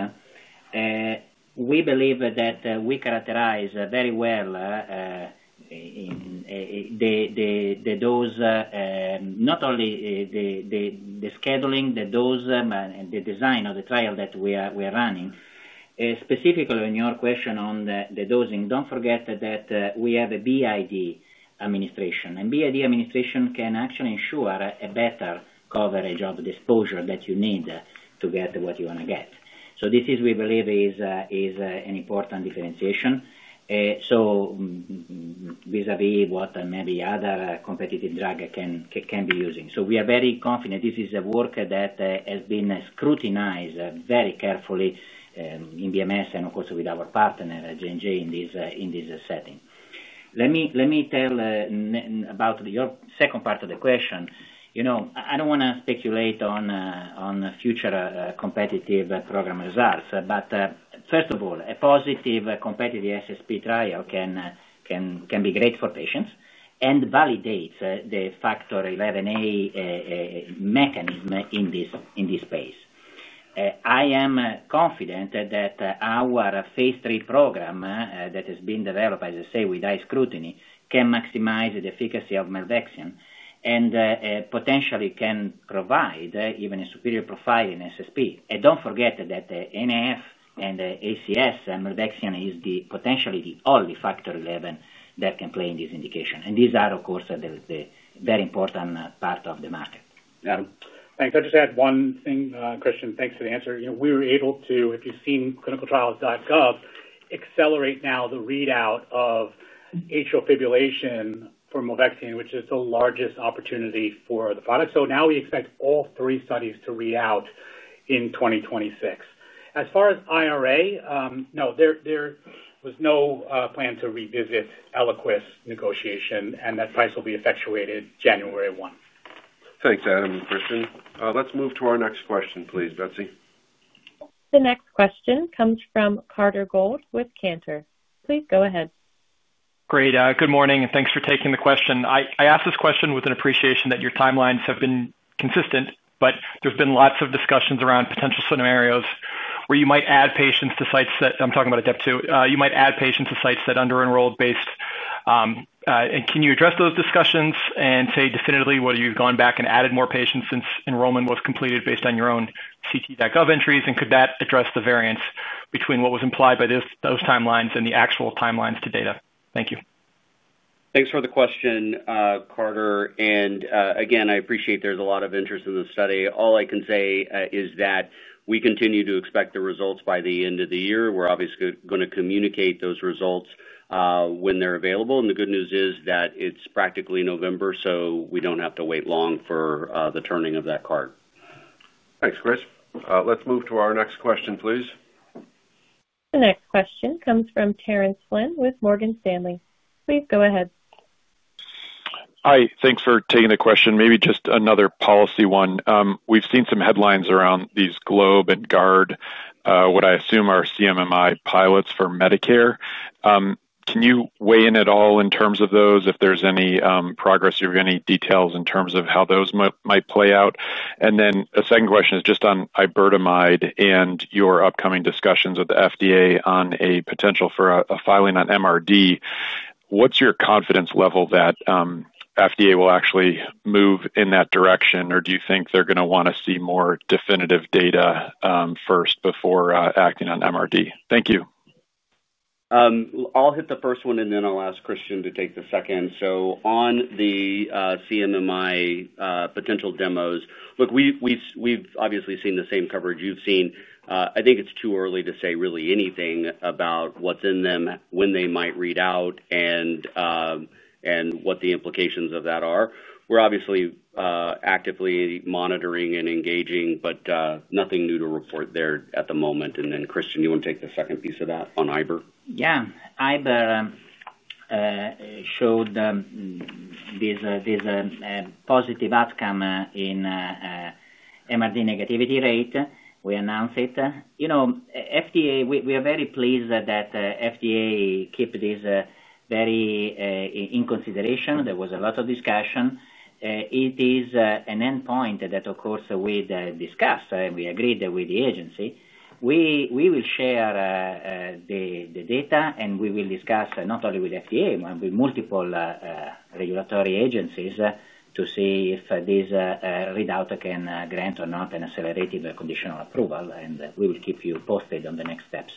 We believe that we characterize very well the dose, not only the scheduling, the dose and the design of the trial that we are running. Specifically on your question on the dosing, don't forget that we have a BID administration, and BID administration can actually ensure a better coverage of exposure that you need to get what you want to get. This is, we believe, an important differentiation vis-à-vis what maybe other competitive drug can be using. We are very confident this is a work that has been scrutinized very carefully in Bristol Myers Squibb and of course with our partner J and J in this setting. Let me tell about your second part of the question. I don't want to speculate on future competitive program results, but first of all, a positive competitive SSP trial can be great for patients and validates the factor 11A mechanism in this space. I am confident that phase III program that has been developed, as I say, with high scrutiny can maximize the efficacy of milvexian and potentially can provide even a superior profile in SSP. Don't forget that NAF and ACS milvexian is potentially the only factor 11 that can play in this industry. These are of course the very important part of the market. Adam, thanks. I'll just add one thing. Christian, thanks for the answer. You know, we were able to, if you've seen ClinicalTrials.gov, accelerate now the readout of atrial fibrillation for Milvexian, which is the largest opportunity for the product. Now we expect all three studies to read out in 2026. As far as I know, there was no plan to revisit Eliquis negotiation and that price will be effectuated January 1. Thanks, Adam and Christian. Let's move to our next question, please. Betsy, the next question comes from Carter Gould with Cantor. Please go ahead. Great. Good morning and thanks for taking the question. I ask this question with an appreciation that your timelines have been consistent, but there's been lots of discussions around potential scenarios where you might add patients to sites that I'm talking about. Two, you might add patients to sites that under enrolled. Can you address those discussions and say definitively whether you've gone back and added more patients since enrollment was completed based on your own ct.gov entries? Could that address the variance between what was implied by those timelines and the actual timelines to data? Thank you. Thanks for the question, Carter. I appreciate there's a lot of interest in the study. All I can say is that we continue to expect the results by the end of the year. We're obviously going to communicate those results when they're available. The good news is that it's practically November, so we don't have to wait long for the turning of that card. Thanks, Chris. Let's move to our next question, please. The next question comes from Terrence Luke McCartney with Morgan Stanley. Please go. Hi, thanks for taking the question. Maybe just another policy one. We've seen some headlines around the globe. I assume these are CMMI pilots for Medicare. Can you weigh in at all in terms of those? If there's any progress or any details in terms of how those might play out. A second question is just on iberdomide and your upcoming discussions with the FDA on a potential for a filing on MRD. What's your confidence level that FDA will actually move in that direction? Do you think they're going to want to see more definitive data first before acting on MRD? Thank you. I'll hit the first one and then I'll ask Christian to take the second. On the CMMI potential demos, we've obviously seen the same coverage you've seen. I think it's too early to say really anything about what's in them, when they might read out, and what the implications of that are. We're obviously actively monitoring and engaging, but nothing new to report there at the moment. Christian, you want to take the second piece of that on iberdomide. Yeah, iberdomide showed this positive outcome in MRD negativity rate. We announced it. You know, FDA, we are very pleased that FDA keeps this very in consideration. There was a lot of discussion. It is an endpoint that, of course, we discussed and we agreed with the agency. We will share the data, and we will discuss not only with FDA, with multiple regulatory agencies to see if this readout can grant or not a conditional approval. We will keep you posted on the next steps.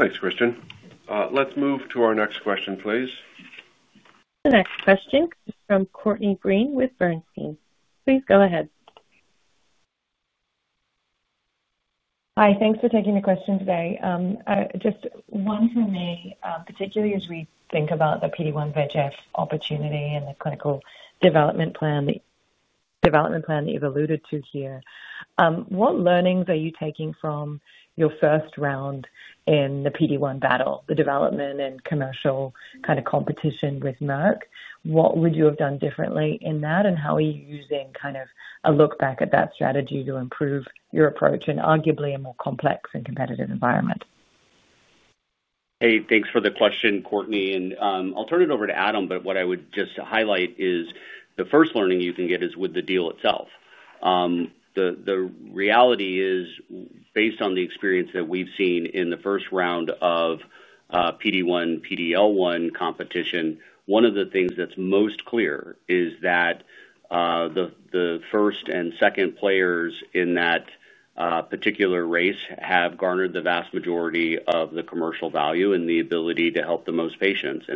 Thanks, Christian. Let's move to our next question, please. The next question is from Courtney Breen with Bernstein. Please go ahead. Hi. Thanks for taking the question today. Just one for me. Particularly as we think about the PD-1/VEGF opportunity and the clinical development plan that you've alluded to here. What learnings are you taking from your first round in the PD-1 battle? The development and commercial kind of competition with Merck? What would you have done differently in that and how are you using kind of a look back at that strategy to improve your approach and arguably a more complex and competitive environment. Hey, thanks for the question, Courtney, and I'll turn it over to Adam. What I would just highlight is the first learning you can get is with the deal itself. The reality is based on the experience that we've seen in the first round of PD-1/PD-L1 competition, one of the things that's most clear is that the first and second players in that particular race have garnered the vast majority of the commercial value and the ability to help the most patients.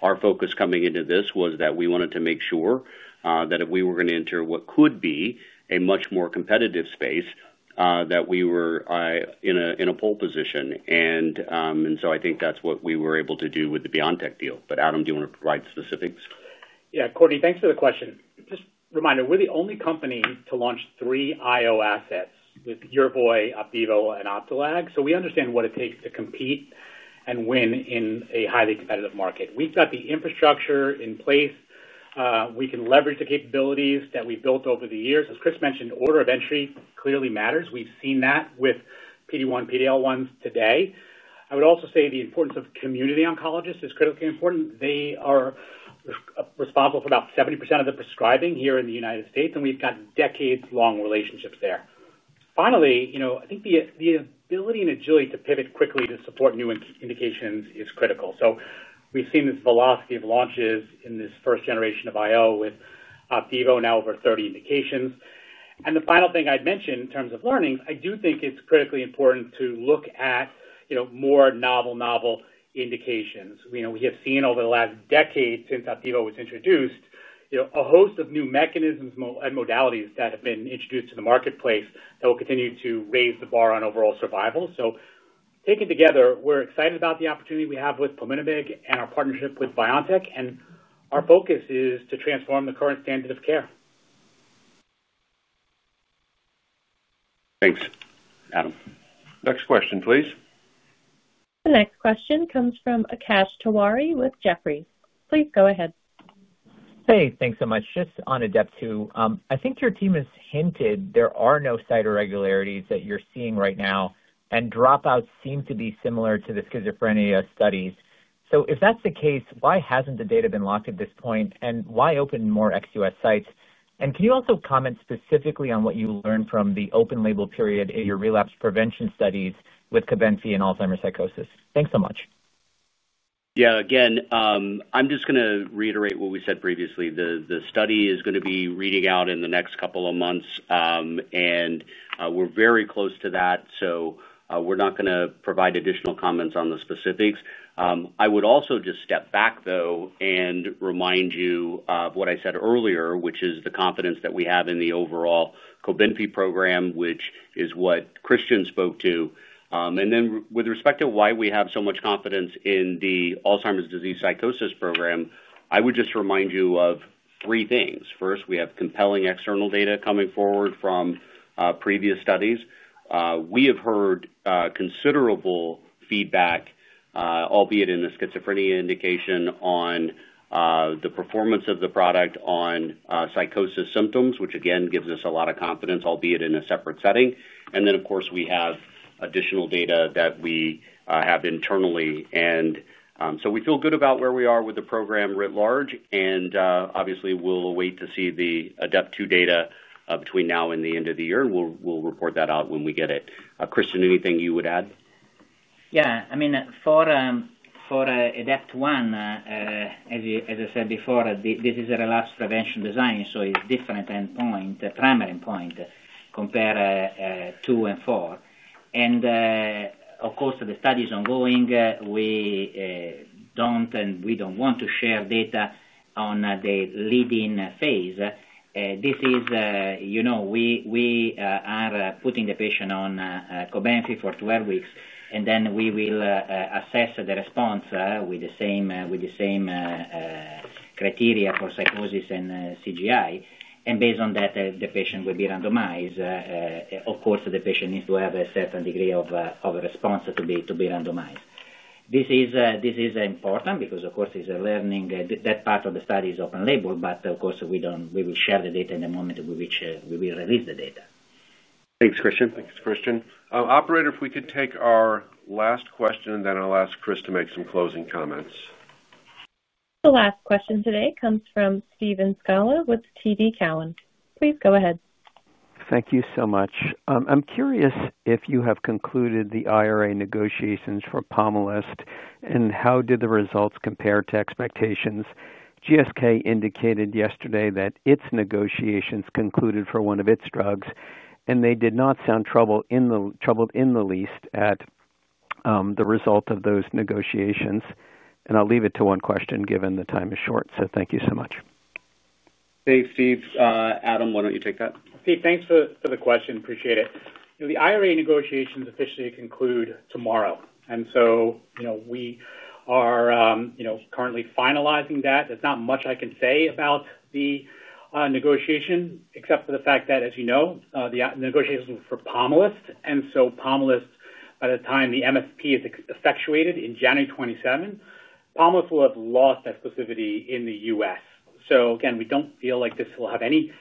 Our focus coming into this was that we wanted to make sure that if we were going to enter what could be a much more competitive space, we were in a pole position. I think that's what we were able to do with the BioNTech deal. Adam, do you want to provide specifics? Yeah, Courtney, thanks for the question. Just a reminder, we're the only company to launch three IO assets with Yervoy, OPDIVO, and Optilag. We understand what it takes to compete and win in a highly competitive market. We've got the infrastructure in place. We can leverage the capabilities that we built over the years. As Chris mentioned, order of entry clearly matters. We've seen that with PD-1/PD-L1s today. I would also say the importance of community oncologists is critically important. They are responsible for about 70% of the prescribing here in the U.S., and we've got decades-long relationships there. Finally, I think the ability and agility to pivot quickly to support new indications is critical. We've seen this velocity of launches in this first generation of IO with OPDIVO now over 30 indications. The final thing I'd mention in terms of learnings, I do think it's critically important to look at more novel indications. We have seen over the last decade since OPDIVO was introduced, a host of new mechanisms and modalities that have been introduced to the marketplace that will continue to raise the bar on overall survival. Taken together, we're excited about the opportunity we have with Pumitamig and our partnership with BioNTech. Our focus is to transform the current standard of care. Thanks, Adam. Next question, please. The next question comes from Akash Tewari with Jefferies. Please go ahead. Hey, thanks so much. Just on ADEPT program two, I think your team has hinted there are no site irregularities that you're seeing right now, and dropouts seem to be similar to the schizophrenia studies. If that's the case, why hasn't the data been locked at this point, and why open more ex-U.S. sites? Can you also comment specifically on. What you learned from the open-label. Period in your relapse prevention studies with. COBENFY and Alzheimer's psychosis? Thanks so much. Yeah, again, I'm just going to reiterate what we said previously. The study is going to be reading out in the next couple of months, and we're very close to that, so we're not going to provide additional comments on the specifics. I would also just step back, though, and remind you of what I said earlier, which is the confidence that we have in the overall COBENFY program, which is what Christian spoke to. With respect to why we have so much confidence in the Alzheimer's disease Psychosis program, I would just remind you of three things. First, we have compelling external data coming forward from previous studies. We have heard considerable feedback, albeit in the schizophrenia indication, on the performance of the product on psychosis symptoms, which again gives us a lot of confidence, albeit in a separate setting. Of course, we have additional data that we have internally. We feel good about where we are. With the program writ large. Obviously, we'll wait to see the ADEPT 2 data between now and the end of the year. We'll report that out when we get it. Kristin, anything you would add? Yeah, I mean for ADEPT 1, as I said before, this is a relapse prevention design, so it's a different endpoint, primary endpoint compared to two and four. The study is ongoing. We don't want to share data on the leading phase. We are putting the patient on COBENFY for 20 weeks, and then we will assess the response with the same criteria for psychosis and CGI. Based on that, the patient will be randomized. The patient needs to have a certain degree of response to be randomized. This is important because part of the study is open label. We will share the data at the moment in which we will release the data. Thanks, Christian. Thanks, Christian. Operator, if we could take our last question and then I'll ask Chris to. Make some closing comments. The last question today comes from Steve Scala with TD Cowen. Please go ahead. Thank you so much. I'm curious if you have concluded the IRA negotiations for POMALYST, and how did the results compare to expectations? GSK indicated yesterday that its negotiations concluded. For one of its drugs, and they. Did not sound troubled in the least at the result of those negotiations. I'll leave it to one question given the time is short. Thank you so much. Thanks, Steve. Adam, why don't you take that. Steve, thanks for the question. Appreciate it. The IRA negotiations officially conclude tomorrow. We are currently finalizing that. There's not much I can say about the negotiation except for the fact that, as you know, the negotiations were for POMALYST. By the time the MSP is effectuated in January 2027, Pumitamig will have lost exclusivity in the U.S. We don't feel like this will have any impact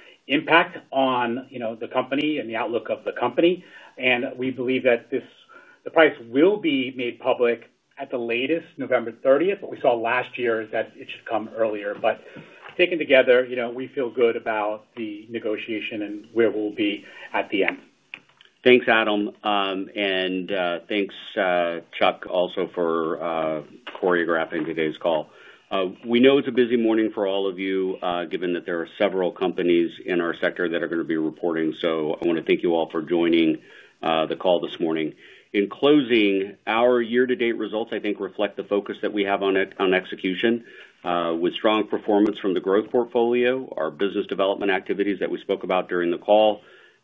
on the company and the outlook of the company. We believe that the price will be made public at the latest November 30th. What we saw last year is that it should come earlier, but taken together, we feel good about the negotiation and where we'll be at the end. Thanks Adam. Thanks Chuck, also for choreographing today's call. We know it's a busy morning for all of you given that there are several companies in our sector that are going to be reporting. I want to thank you all for joining the call this morning. In closing, our year-to-date results I think reflect the focus that we have on execution with strong performance from the growth portfolio, our business development activities that we spoke about during the call,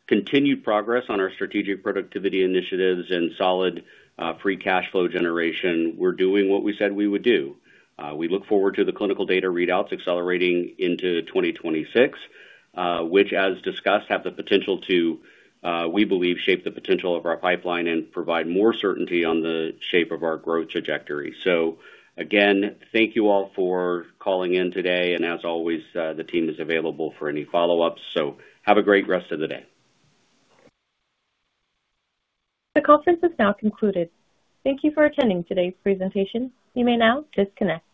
continued progress on our strategic productivity initiatives, and solid free cash flow generation. We're doing what we said we would do. We look forward to the clinical data readouts accelerating into 2026, which, as discussed, have the potential to, we believe, shape the potential of our pipeline and provide more certainty on the shape of our growth trajectory. Again, thank you all for calling in today and as always, the team is available for any follow ups. Have a great rest of the day. The conference has now concluded. Thank you for attending today's presentation. You may now disconnect.